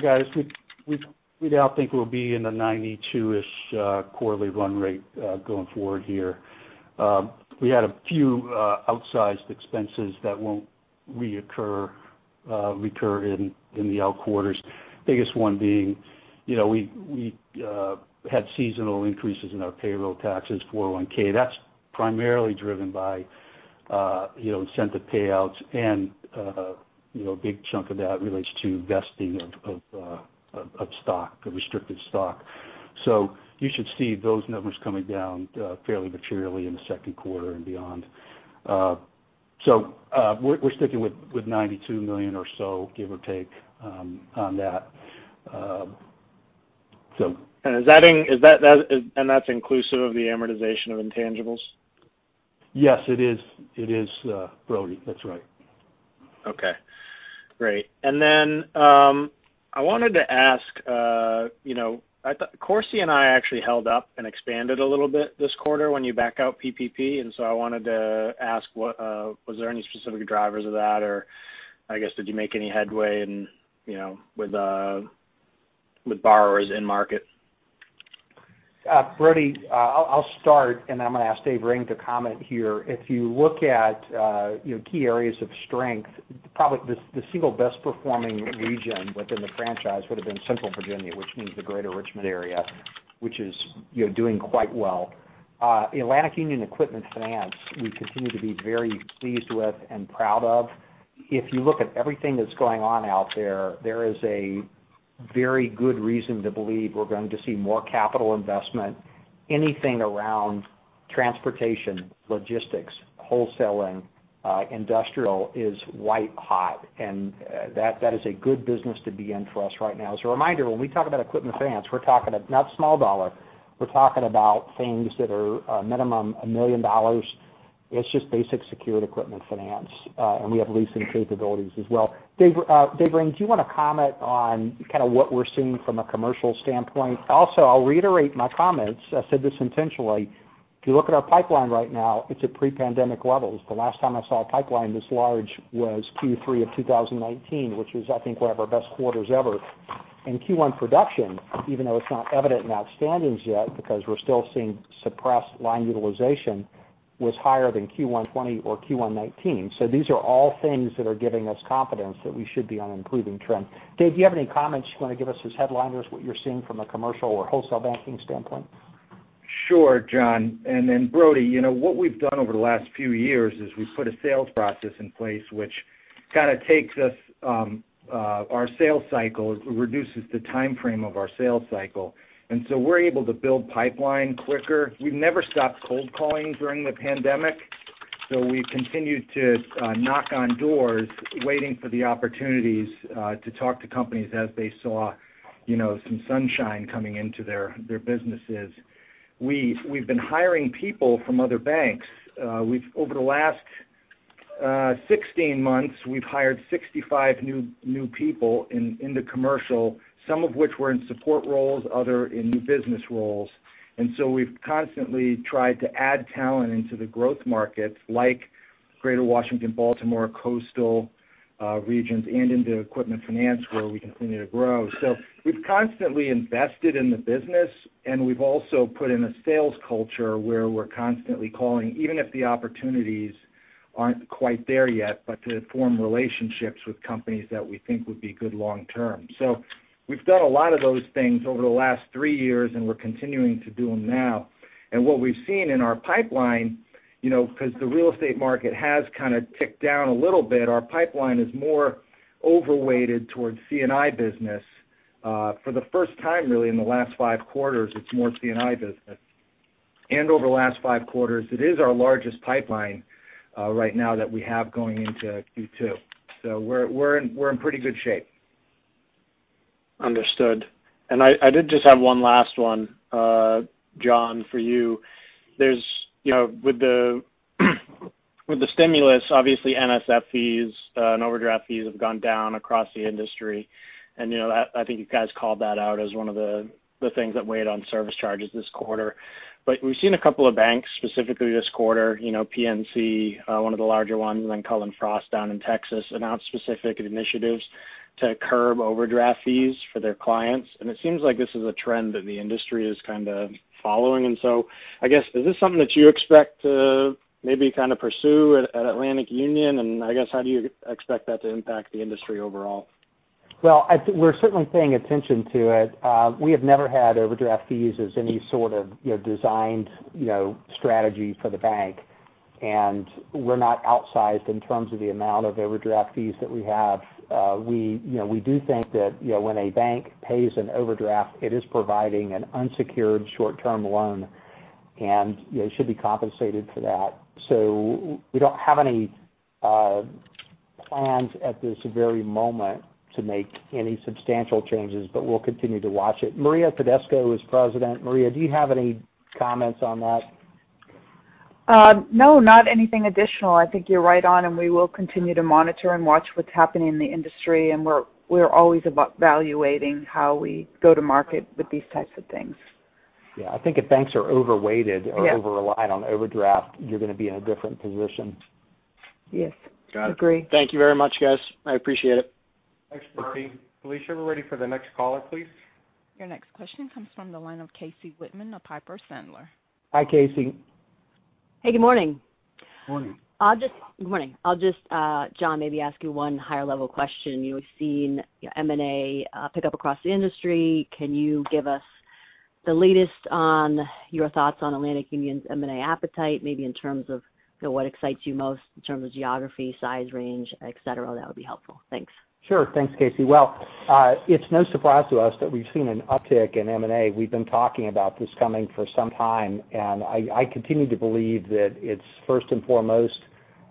guidance, we now think we'll be in the $92-ish quarterly run rate going forward here. We had a few outsized expenses that won't reoccur in the out quarters. Biggest one being we had seasonal increases in our payroll taxes, 401(k). That's primarily driven by incentive payouts and a big chunk of that relates to vesting of stock, of restricted stock. You should see those numbers coming down fairly materially in the second quarter and beyond. We're sticking with $92 million or so, give or take on that. That's inclusive of the amortization of intangibles? Yes, it is, Brody. That's right. Okay, great. I wanted to ask, Core C&I actually held up and expanded a little bit this quarter when you back out PPP, and so I wanted to ask, was there any specific drivers of that? I guess, did you make any headway with borrowers in market? Brody, I'll start, and then I'm going to ask David Ring to comment here. If you look at key areas of strength, probably the single best performing region within the franchise would've been Central Virginia, which means the Greater Richmond area, which is doing quite well. Atlantic Union Equipment Finance, we continue to be very pleased with and proud of. If you look at everything that's going on out there is a very good reason to believe we're going to see more capital investment. Anything around transportation, logistics, wholesaling, industrial is white hot, and that is a good business to be in for us right now. As a reminder, when we talk about equipment finance, we're talking not small dollar, we're talking about things that are a minimum of $1 million. It's just basic secured equipment finance. We have leasing capabilities as well. David Ring, do you want to comment on what we're seeing from a commercial standpoint? I'll reiterate my comments. I said this intentionally. If you look at our pipeline right now, it's at pre-pandemic levels. The last time I saw a pipeline this large was Q3 of 2019, which was, I think, one of our best quarters ever. Q1 production, even though it's not evident in outstandings yet because we're still seeing suppressed line utilization, was higher than Q1 2020 or Q1 2019. These are all things that are giving us confidence that we should be on an improving trend. Dave, do you have any comments you want to give us as headliners, what you're seeing from a commercial or wholesale banking standpoint? Sure, John. Brody, what we've done over the last few years is we've put a sales process in place which kind of takes our sales cycle, it reduces the timeframe of our sales cycle. We're able to build pipeline quicker. We've never stopped cold calling during the pandemic, so we've continued to knock on doors, waiting for the opportunities to talk to companies as they saw some sunshine coming into their businesses. We've been hiring people from other banks. Over the last 16 months, we've hired 65 new people in the commercial, some of which were in support roles, other in new business roles. We've constantly tried to add talent into the growth markets like Greater Washington, Baltimore, coastal regions, and into Equipment Finance where we continue to grow. We've constantly invested in the business, and we've also put in a sales culture where we're constantly calling, even if the opportunities aren't quite there yet, but to form relationships with companies that we think would be good long-term. We've done a lot of those things over the last three years, and we're continuing to do them now. What we've seen in our pipeline, because the real estate market has kind of ticked down a little bit, our pipeline is more overweighted towards C&I business. For the first time, really, in the last five quarters, it's more C&I business. Over the last five quarters, it is our largest pipeline right now that we have going into Q2. We're in pretty good shape. Understood. I did just have one last one, John, for you. With the stimulus, obviously NSF fees and overdraft fees have gone down across the industry. I think you guys called that out as one of the things that weighed on service charges this quarter. We've seen a couple of banks specifically this quarter, PNC, one of the larger ones, and then Cullen/Frost down in Texas, announce specific initiatives to curb overdraft fees for their clients, and it seems like this is a trend that the industry is kind of following in. I guess, is this something that you expect to maybe kind of pursue at Atlantic Union? I guess, how do you expect that to impact the industry overall? Well, we're certainly paying attention to it. We have never had overdraft fees as any sort of designed strategy for the bank, and we're not outsized in terms of the amount of overdraft fees that we have. We do think that when a bank pays an overdraft, it is providing an unsecured short-term loan, and it should be compensated for that. We don't have any plans at this very moment to make any substantial changes, but we'll continue to watch it. Maria Tedesco is president. Maria, do you have any comments on that? No, not anything additional. I think you're right on, and we will continue to monitor and watch what's happening in the industry, and we're always evaluating how we go to market with these types of things. Yeah. I think if banks are overweighted- Yeah. Over-relied on overdraft, you're going to be in a different position. Yes. Agree. Thank you very much, guys. I appreciate it. Thanks, Brody. Felicia, we're ready for the next caller, please. Your next question comes from the line of Casey Whitman of Piper Sandler. Hi, Casey. Hey, good morning. Morning. Good morning. I'll just, John, maybe ask you one higher level question. You have seen M&A pick up across the industry. Can you give us the latest on your thoughts on Atlantic Union's M&A appetite, maybe in terms of what excites you most in terms of geography, size range, et cetera? That would be helpful. Thanks. Sure. Thanks, Casey. Well, it's no surprise to us that we've seen an uptick in M&A. We've been talking about this coming for some time, and I continue to believe that it's first and foremost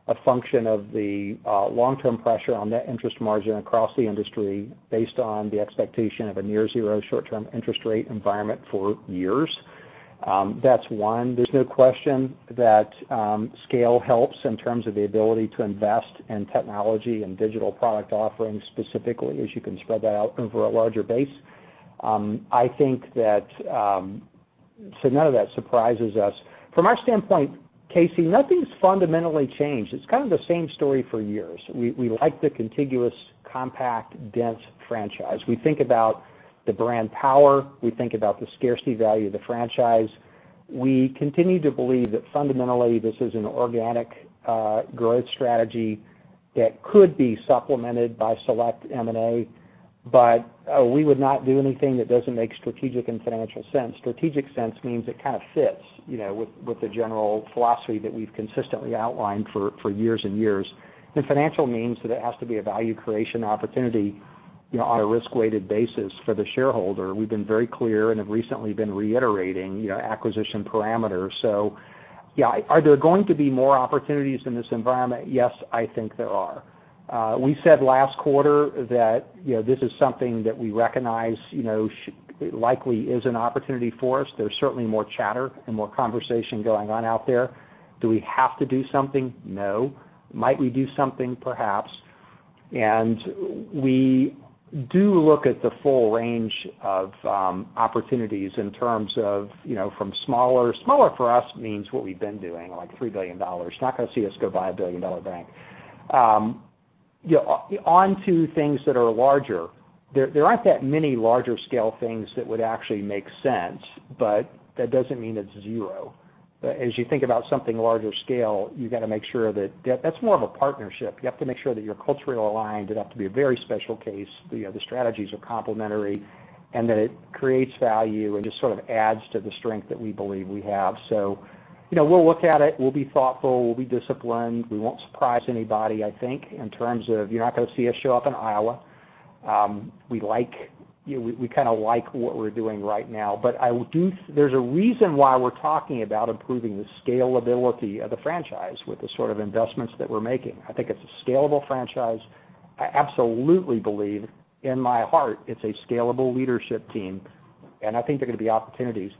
a function of the long-term pressure on net interest margin across the industry based on the expectation of a near zero short-term interest rate environment for years. That's one. There's no question that scale helps in terms of the ability to invest in technology and digital product offerings, specifically as you can spread that out over a larger base. None of that surprises us. From our standpoint, Casey, nothing's fundamentally changed. It's kind of the same story for years. We like the contiguous, compact, dense franchise. We think about the brand power. We think about the scarcity value of the franchise. We continue to believe that fundamentally this is an organic growth strategy that could be supplemented by select M&A, but we would not do anything that doesn't make strategic and financial sense. Strategic sense means it kind of fits with the general philosophy that we've consistently outlined for years and years. Financial means that it has to be a value creation opportunity on a risk-weighted basis for the shareholder. We've been very clear and have recently been reiterating acquisition parameters. Yeah. Are there going to be more opportunities in this environment? Yes, I think there are. We said last quarter that this is something that we recognize likely is an opportunity for us. There's certainly more chatter and more conversation going on out there. Do we have to do something? No. Might we do something? Perhaps. We do look at the full range of opportunities in terms of from smaller for us means what we've been doing, like $3 billion. You're not going to see us go buy a billion-dollar bank. On to things that are larger, there aren't that many larger scale things that would actually make sense, but that doesn't mean it's zero. As you think about something larger scale, you've got to make sure that's more of a partnership. You have to make sure that you're culturally aligned. It'd have to be a very special case, the strategies are complementary, and that it creates value and just sort of adds to the strength that we believe we have. We'll look at it. We'll be thoughtful. We'll be disciplined. We won't surprise anybody, I think, in terms of you're not going to see us show up in Iowa. We kind of like what we're doing right now. There's a reason why we're talking about improving the scalability of the franchise with the sort of investments that we're making. I think it's a scalable franchise. I absolutely believe in my heart it's a scalable leadership team, and I think there are going to be opportunities.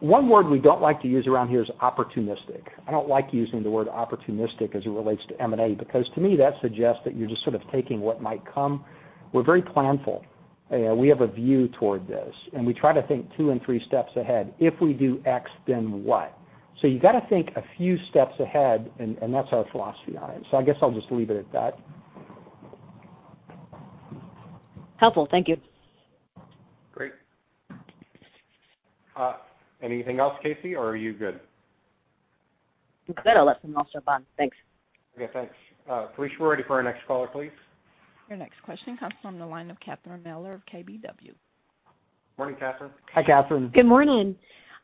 One word we don't like to use around here is opportunistic. I don't like using the word opportunistic as it relates to M&A because to me that suggests that you're just sort of taking what might come. We're very planful. We have a view toward this, and we try to think two and three steps ahead. If we do X, then what? You got to think a few steps ahead, and that's our philosophy on it. I guess I'll just leave it at that. Helpful. Thank you. Great. Anything else, Casey, or are you good? I'm good. I'll let someone else jump on. Thanks. Okay, thanks. Felicia, we're ready for our next caller, please. Your next question comes from the line of Catherine Mealor of KBW. Morning, Catherine. Hi, Catherine. Good morning.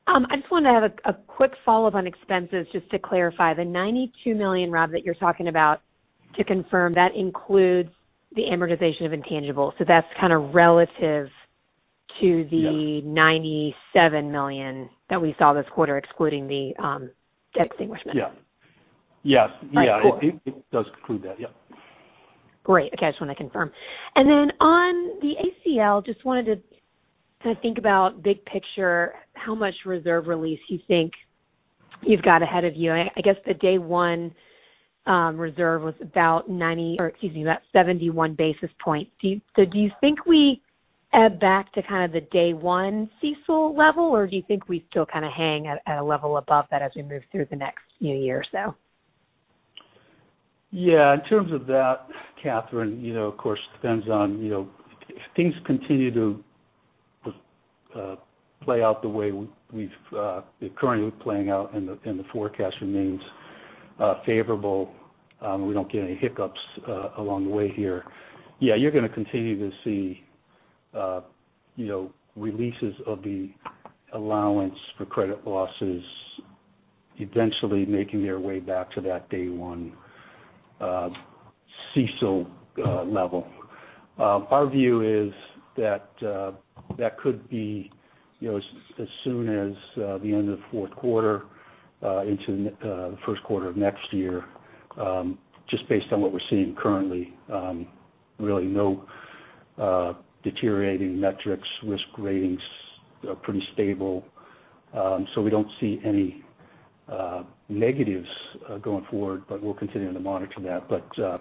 I just wanted to have a quick follow-up on expenses just to clarify. The $92 million, Rob, that you're talking about, to confirm, that includes the amortization of intangibles. Yeah $97 million that we saw this quarter, excluding the extinguishment. Yeah. Yes. All right, cool. It does include that, yeah. Great. Okay, I just wanted to confirm. On the ACL, just wanted to kind of think about big picture, how much reserve release you think you've got ahead of you. I guess the day one reserve was about 90, or excuse me, about 71 basis points. Do you think we ebb back to kind of the day one CECL level or do you think we still kind of hang at a level above that as we move through the next year or so? In terms of that, Catherine, of course it depends on if things continue to play out the way we've been currently playing out and the forecast remains favorable, we don't get any hiccups along the way here. You're going to continue to see releases of the allowance for credit losses eventually making their way back to that day one CECL level. Our view is that that could be as soon as the end of the fourth quarter into the first quarter of next year, just based on what we're seeing currently. Really no deteriorating metrics. Risk ratings are pretty stable. We don't see any negatives going forward, but we're continuing to monitor that.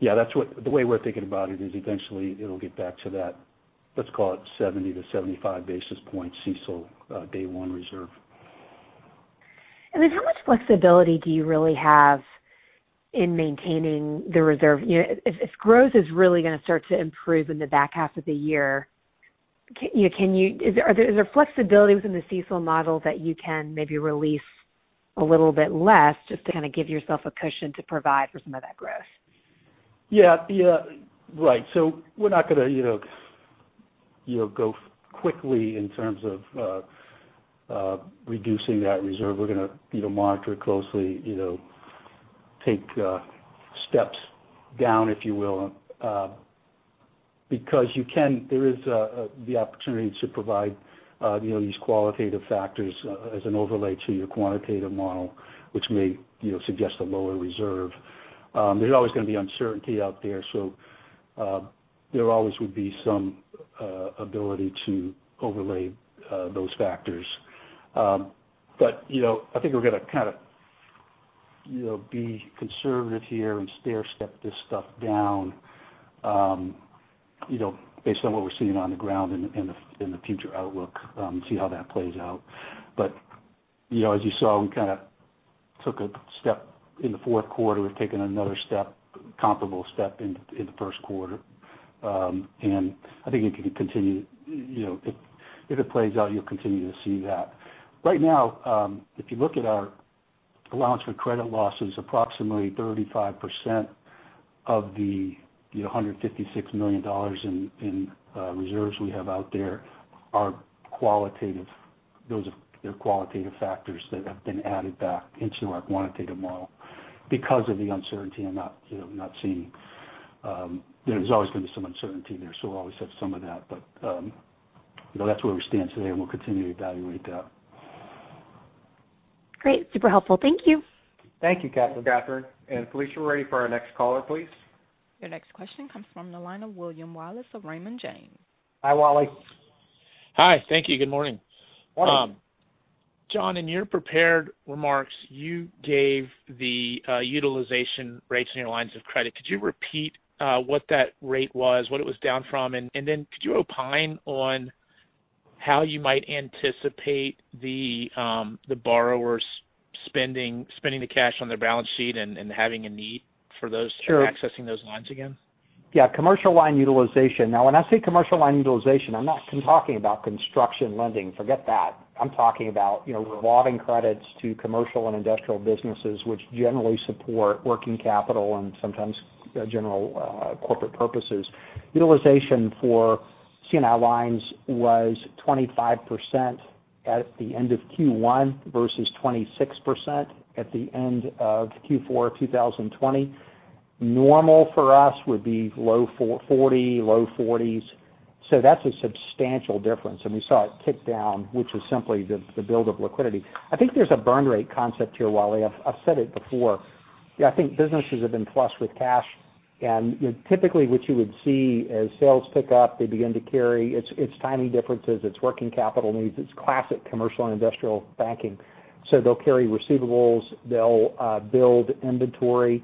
The way we're thinking about it is eventually it'll get back to that, let's call it 70-75 basis point CECL day one reserve. Then how much flexibility do you really have in maintaining the reserve? If growth is really going to start to improve in the back half of the year, is there flexibility within the CECL model that you can maybe release a little bit less just to kind of give yourself a cushion to provide for some of that growth? Yeah. Right. We're not going to go quickly in terms of reducing that reserve. We're going to monitor it closely, take steps down, if you will. Because there is the opportunity to provide these qualitative factors as an overlay to your quantitative model, which may suggest a lower reserve. There's always going to be uncertainty out there, so there always would be some ability to overlay those factors. But I think we're going to be conservative here and stair-step this stuff down based on what we're seeing on the ground in the future outlook, and see how that plays out. But as you saw, we kind of took a step in the fourth quarter. We've taken another comparable step in the first quarter. And I think if it plays out, you'll continue to see that. Right now, if you look at our allowance for credit losses, approximately 35% of the $156 million in reserves we have out there are qualitative. Those are qualitative factors that have been added back into our quantitative model because of the uncertainty. There's always going to be some uncertainty there, so we'll always have some of that. That's where we stand today, and we'll continue to evaluate that. Great. Super helpful. Thank you. Thank you, Catherine. Catherine, Felicia, we're ready for our next caller, please. Your next question comes from the line of William Wallace of Raymond James. Hi, Wally. Hi. Thank you. Good morning. Morning. John, in your prepared remarks, you gave the utilization rates in your lines of credit. Could you repeat what that rate was, what it was down from? Could you opine on how you might anticipate the borrowers spending the cash on their balance sheet and having a need for those. Sure. Accessing those lines again? Yeah. Commercial line utilization. Now, when I say commercial line utilization, I'm not talking about construction lending. Forget that. I'm talking about revolving credits to commercial and industrial businesses which generally support working capital and sometimes general corporate purposes. Utilization for C&I lines was 25% at the end of Q1 versus 26% at the end of Q4 2020. Normal for us would be low 40s. That's a substantial difference. We saw it tick down, which is simply the build of liquidity. I think there's a burn rate concept here, Wally. I've said it before. I think businesses have been flush with cash, and typically what you would see as sales pick up, they begin to carry. It's timing differences. It's working capital needs. It's classic commercial and industrial banking. They'll carry receivables, they'll build inventory,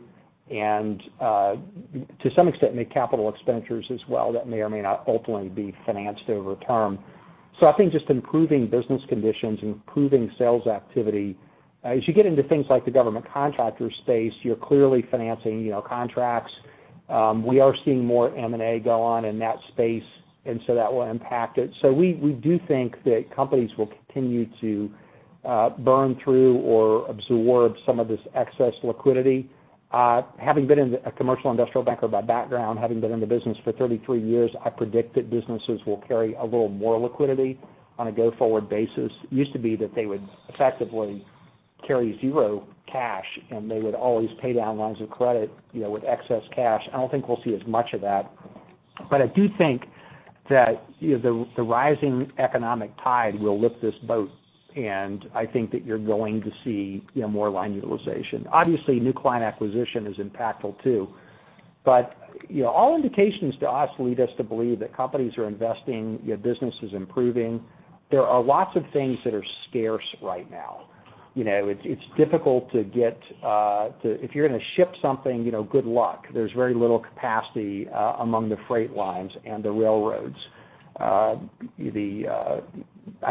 and to some extent, make capital expenditures as well that may or may not ultimately be financed over term. I think just improving business conditions, improving sales activity. As you get into things like the government contractor space, you're clearly financing contracts. We are seeing more M&A go on in that space, that will impact it. We do think that companies will continue to burn through or absorb some of this excess liquidity. Having been a commercial industrial banker by background, having been in the business for 33 years, I predict that businesses will carry a little more liquidity on a go-forward basis. It used to be that they would effectively carry zero cash, and they would always pay down lines of credit with excess cash. I don't think we'll see as much of that. I do think that the rising economic tide will lift this boat. I think that you're going to see more line utilization. Obviously, new client acquisition is impactful too. All indications to us lead us to believe that companies are investing, business is improving. There are lots of things that are scarce right now. If you're going to ship something, good luck. There's very little capacity among the freight lines and the railroads. I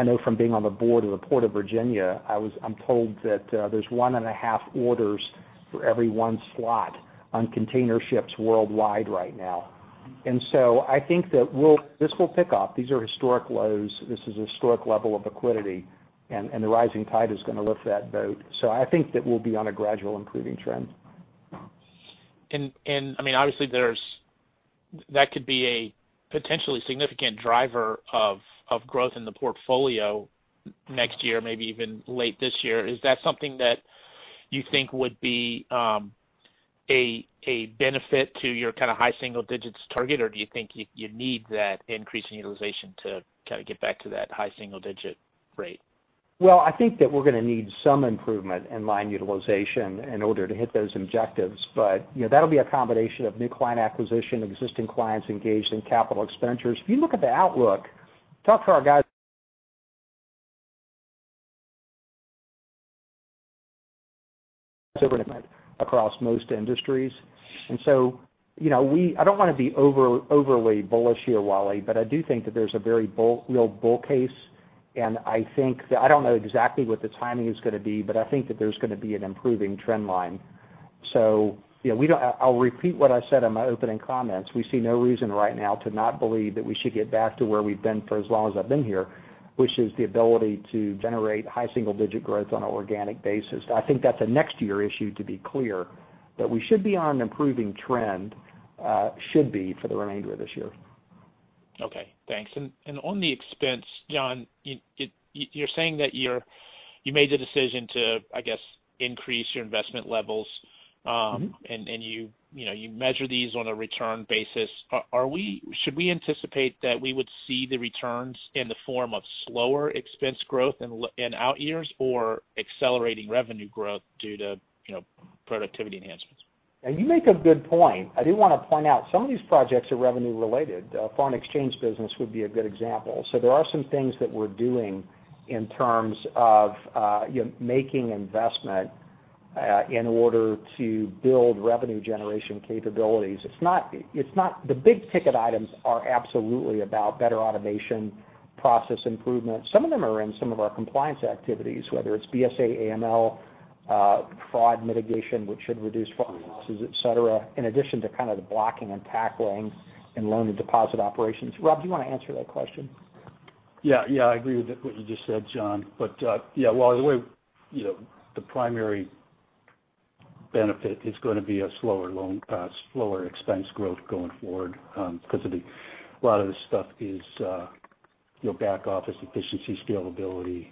know from being on the board of The Port of Virginia, I'm told that there's one and a half orders for every one slot on container ships worldwide right now. I think that this will pick up. These are historic lows. This is a historic level of liquidity, and the rising tide is going to lift that boat. I think that we'll be on a gradual improving trend. Obviously, that could be a potentially significant driver of growth in the portfolio next year, maybe even late this year. Is that something that you think would be a benefit to your kind of high single digits target, or do you think you need that increase in utilization to kind of get back to that high single digit rate? Well, I think that we're going to need some improvement in line utilization in order to hit those objectives. That'll be a combination of new client acquisition, existing clients engaged in capital expenditures. If you look at the outlook, talk to our guys across most industries. I don't want to be overly bullish here, Wally, but I do think that there's a very real bull case, and I don't know exactly what the timing is going to be, but I think that there's going to be an improving trend line. I'll repeat what I said in my opening comments. We see no reason right now to not believe that we should get back to where we've been for as long as I've been here, which is the ability to generate high single-digit growth on an organic basis. I think that's a next year issue, to be clear. We should be on an improving trend, should be for the remainder of this year. Okay, thanks. On the expense, John, you're saying that you made the decision to, I guess, increase your investment levels. You measure these on a return basis. Should we anticipate that we would see the returns in the form of slower expense growth in our years or accelerating revenue growth due to productivity enhancements? You make a good point. I do want to point out, some of these projects are revenue related. Foreign exchange business would be a good example. There are some things that we're doing in terms of making investment in order to build revenue generation capabilities. The big-ticket items are absolutely about better automation, process improvement. Some of them are in some of our compliance activities, whether it's BSA, AML, fraud mitigation, which should reduce fraud losses, et cetera, in addition to kind of the blocking and tackling in loan and deposit operations. Rob, do you want to answer that question? Yeah, I agree with what you just said, John. Yeah, well, the primary benefit is going to be a slower loan cost, slower expense growth going forward because a lot of this stuff is back-office efficiency, scalability,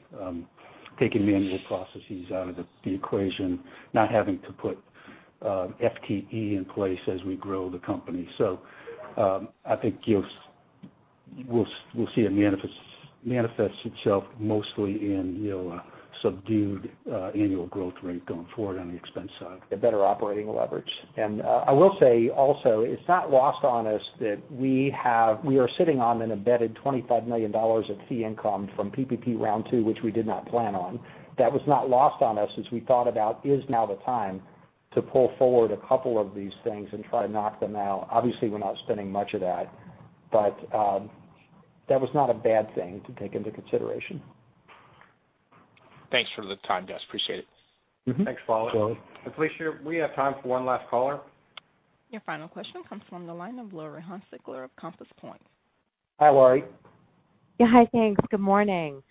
taking manual processes out of the equation, not having to put FTE in place as we grow the company. I think we'll see it manifest itself mostly in a subdued annual growth rate going forward on the expense side. A better operating leverage. I will say also, it's not lost on us that we are sitting on an embedded $25 million of fee income from PPP Round two, which we did not plan on. That was not lost on us as we thought about is now the time to pull forward a couple of these things and try to knock them out. Obviously, we're not spending much of that, but that was not a bad thing to take into consideration. Thanks for the time, guys. Appreciate it. Thanks, [Paul]. Sure. Felicia, we have time for one last caller. Your final question comes from the line of Laurie Hunsicker of Compass Point. Hi, Laurie. Yeah, hi. Thanks. Good morning.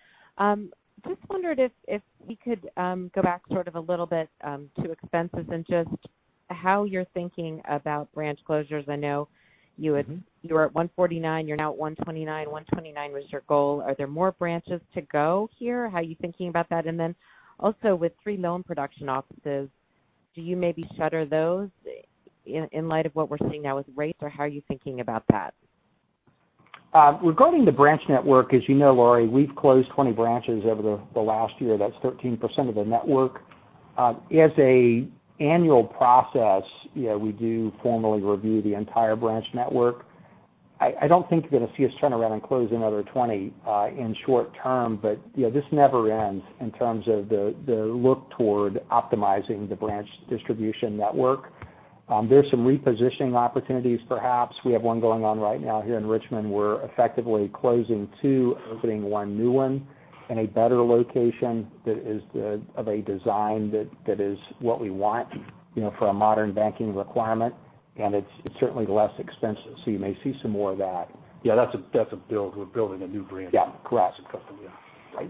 Just wondered if we could go back sort of a little bit to expenses and just how you're thinking about branch closures. You were at 149. You're now at 129. 129 was your goal. Are there more branches to go here? How are you thinking about that? Also with three loan production offices, do you maybe shutter those in light of what we're seeing now with rates? How are you thinking about that? Regarding the branch network, as you know, Laurie, we've closed 20 branches over the last year. That's 13% of the network. As an annual process, we do formally review the entire branch network. I don't think you're going to see us turn around and close another 20 in short term. This never ends in terms of the look toward optimizing the branch distribution network. There're some repositioning opportunities, perhaps. We have one going on right now here in Richmond. We're effectively closing two and opening one new one in a better location that is of a design that is what we want for a modern banking requirement, and it's certainly less expensive. You may see some more of that. Yeah, that's a build. We're building a new branch. Yeah, correct. Right.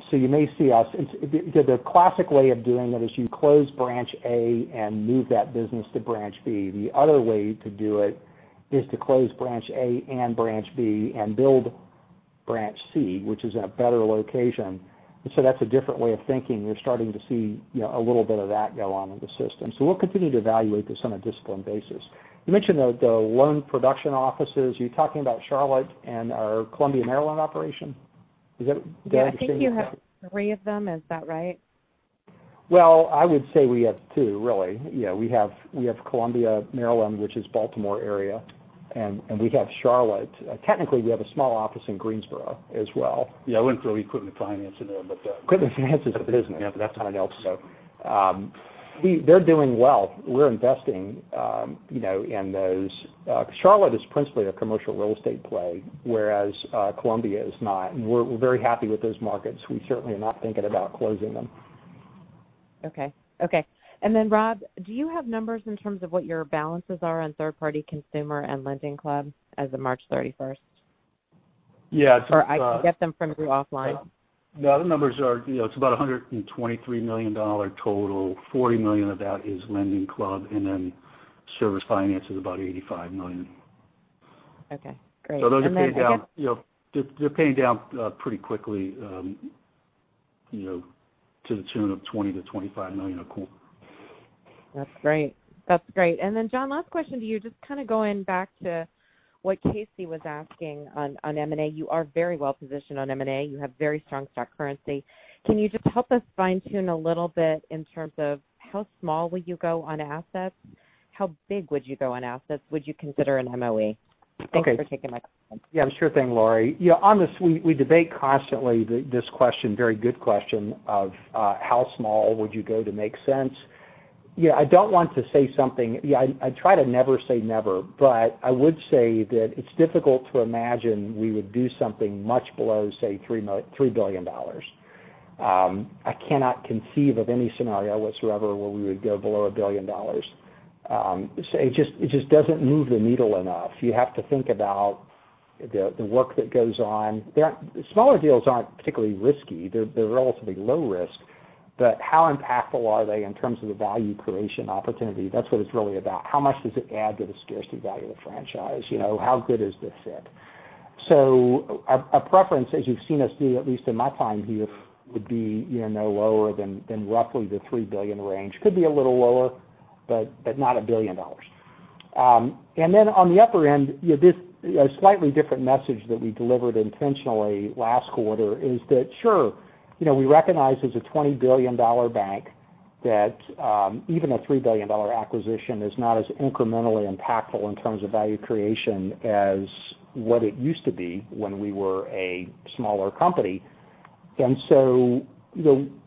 The classic way of doing it is you close branch A and move that business to branch B. The other way to do it is to close branch A and branch B and build branch C, which is at a better location. That's a different way of thinking. You're starting to see a little bit of that go on in the system. We'll continue to evaluate this on a disciplined basis. You mentioned the loan production offices. You're talking about Charlotte and our Columbia, Maryland operation? Is that? Yeah, I think you have three of them. Is that right? Well, I would say we have two, really. Yeah, we have Columbia, Maryland, which is Baltimore area, and we have Charlotte. Technically, we have a small office in Greensboro as well. Yeah, I went for the Equipment Finance in there, but. Equipment Finance is a business. Yeah, that's something else. They're doing well. We're investing in those. Charlotte is principally a commercial real estate play, whereas Columbia is not. We're very happy with those markets. We certainly are not thinking about closing them. Okay. Rob, do you have numbers in terms of what your balances are on third-party consumer and LendingClub as of March 31st? Yeah. I can get them from you offline. No, it's about $123 million total. $40 million of that is LendingClub, and then Service Finance is about $85 million. Okay, great. Those are paying down pretty quickly to the tune of $20 million-$25 million a quarter. That's great. John, last question to you. Just kind of going back to what Casey was asking on M&A. You are very well positioned on M&A. You have very strong stock currency. Can you just help us fine-tune a little bit in terms of how small will you go on assets? How big would you go on assets? Would you consider an MOE? Okay. Thanks for taking my call. Yeah, sure thing, Laurie. Honestly, we debate constantly this question, very good question, of how small would you go to make sense? I don't want to say I try to never say never, I would say that it's difficult to imagine we would do something much below, say, $3 billion. I cannot conceive of any scenario whatsoever where we would go below $1 billion. It just doesn't move the needle enough. You have to think about the work that goes on. Smaller deals aren't particularly risky. They're relatively low risk. How impactful are they in terms of the value creation opportunity? That's what it's really about. How much does it add to the scarcity value of the franchise? How good is this fit? A preference, as you've seen us do, at least in my time here, would be no lower than roughly the $3 billion range. Could be a little lower, but not $1 billion. Then on the upper end, a slightly different message that we delivered intentionally last quarter is that sure, we recognize as a $20 billion bank that even a $3 billion acquisition is not as incrementally impactful in terms of value creation as what it used to be when we were a smaller company. So,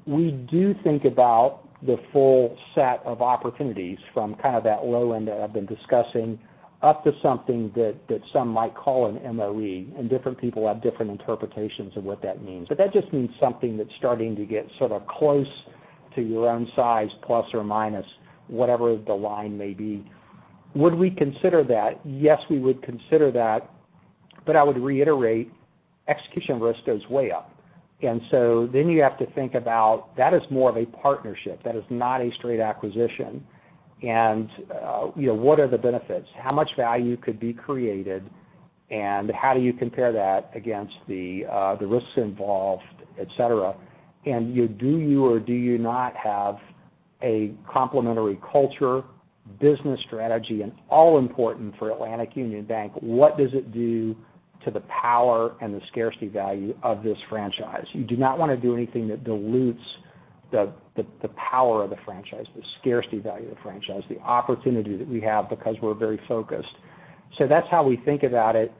we do think about the full set of opportunities from kind of that low end that I've been discussing, up to something that some might call an MOE, and different people have different interpretations of what that means. That just means something that's starting to get sort of close to your own size, plus or minus whatever the line may be. Would we consider that? Yes, we would consider that. I would reiterate, execution risk goes way up. You have to think about that is more of a partnership. That is not a straight acquisition. What are the benefits? How much value could be created, and how do you compare that against the risks involved, et cetera. Do you or do you not have a complementary culture, business strategy, and all important for Atlantic Union Bank, what does it do to the power and the scarcity value of this franchise? You do not want to do anything that dilutes the power of the franchise, the scarcity value of the franchise, the opportunity that we have because we're very focused. That's how we think about it.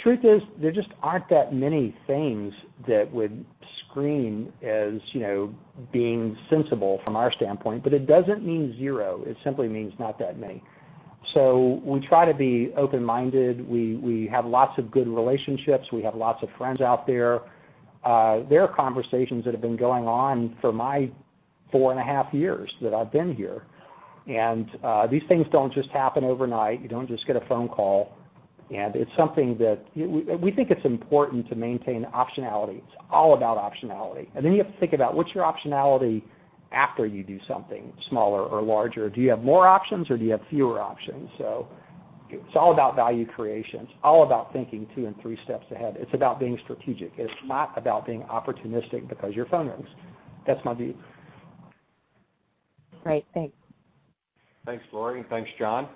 Truth is, there just aren't that many things that would screen as being sensible from our standpoint, but it doesn't mean zero. It simply means not that many. We try to be open-minded. We have lots of good relationships. We have lots of friends out there. There are conversations that have been going on for my four and a half years that I've been here. These things don't just happen overnight. You don't just get a phone call. It's something that we think it's important to maintain optionality. It's all about optionality. You have to think about what's your optionality after you do something smaller or larger. Do you have more options, or do you have fewer options? It's all about value creation. It's all about thinking two and three steps ahead. It's about being strategic. It's not about being opportunistic because your phone rings. That's my view. Great. Thanks. Thanks, Laurie, and thanks, John.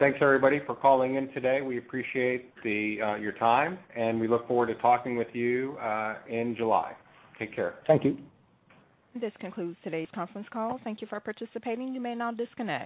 Thanks everybody for calling in today. We appreciate your time, and we look forward to talking with you in July. Take care. Thank you. This concludes today's conference call. Thank you for participating. You may now disconnect.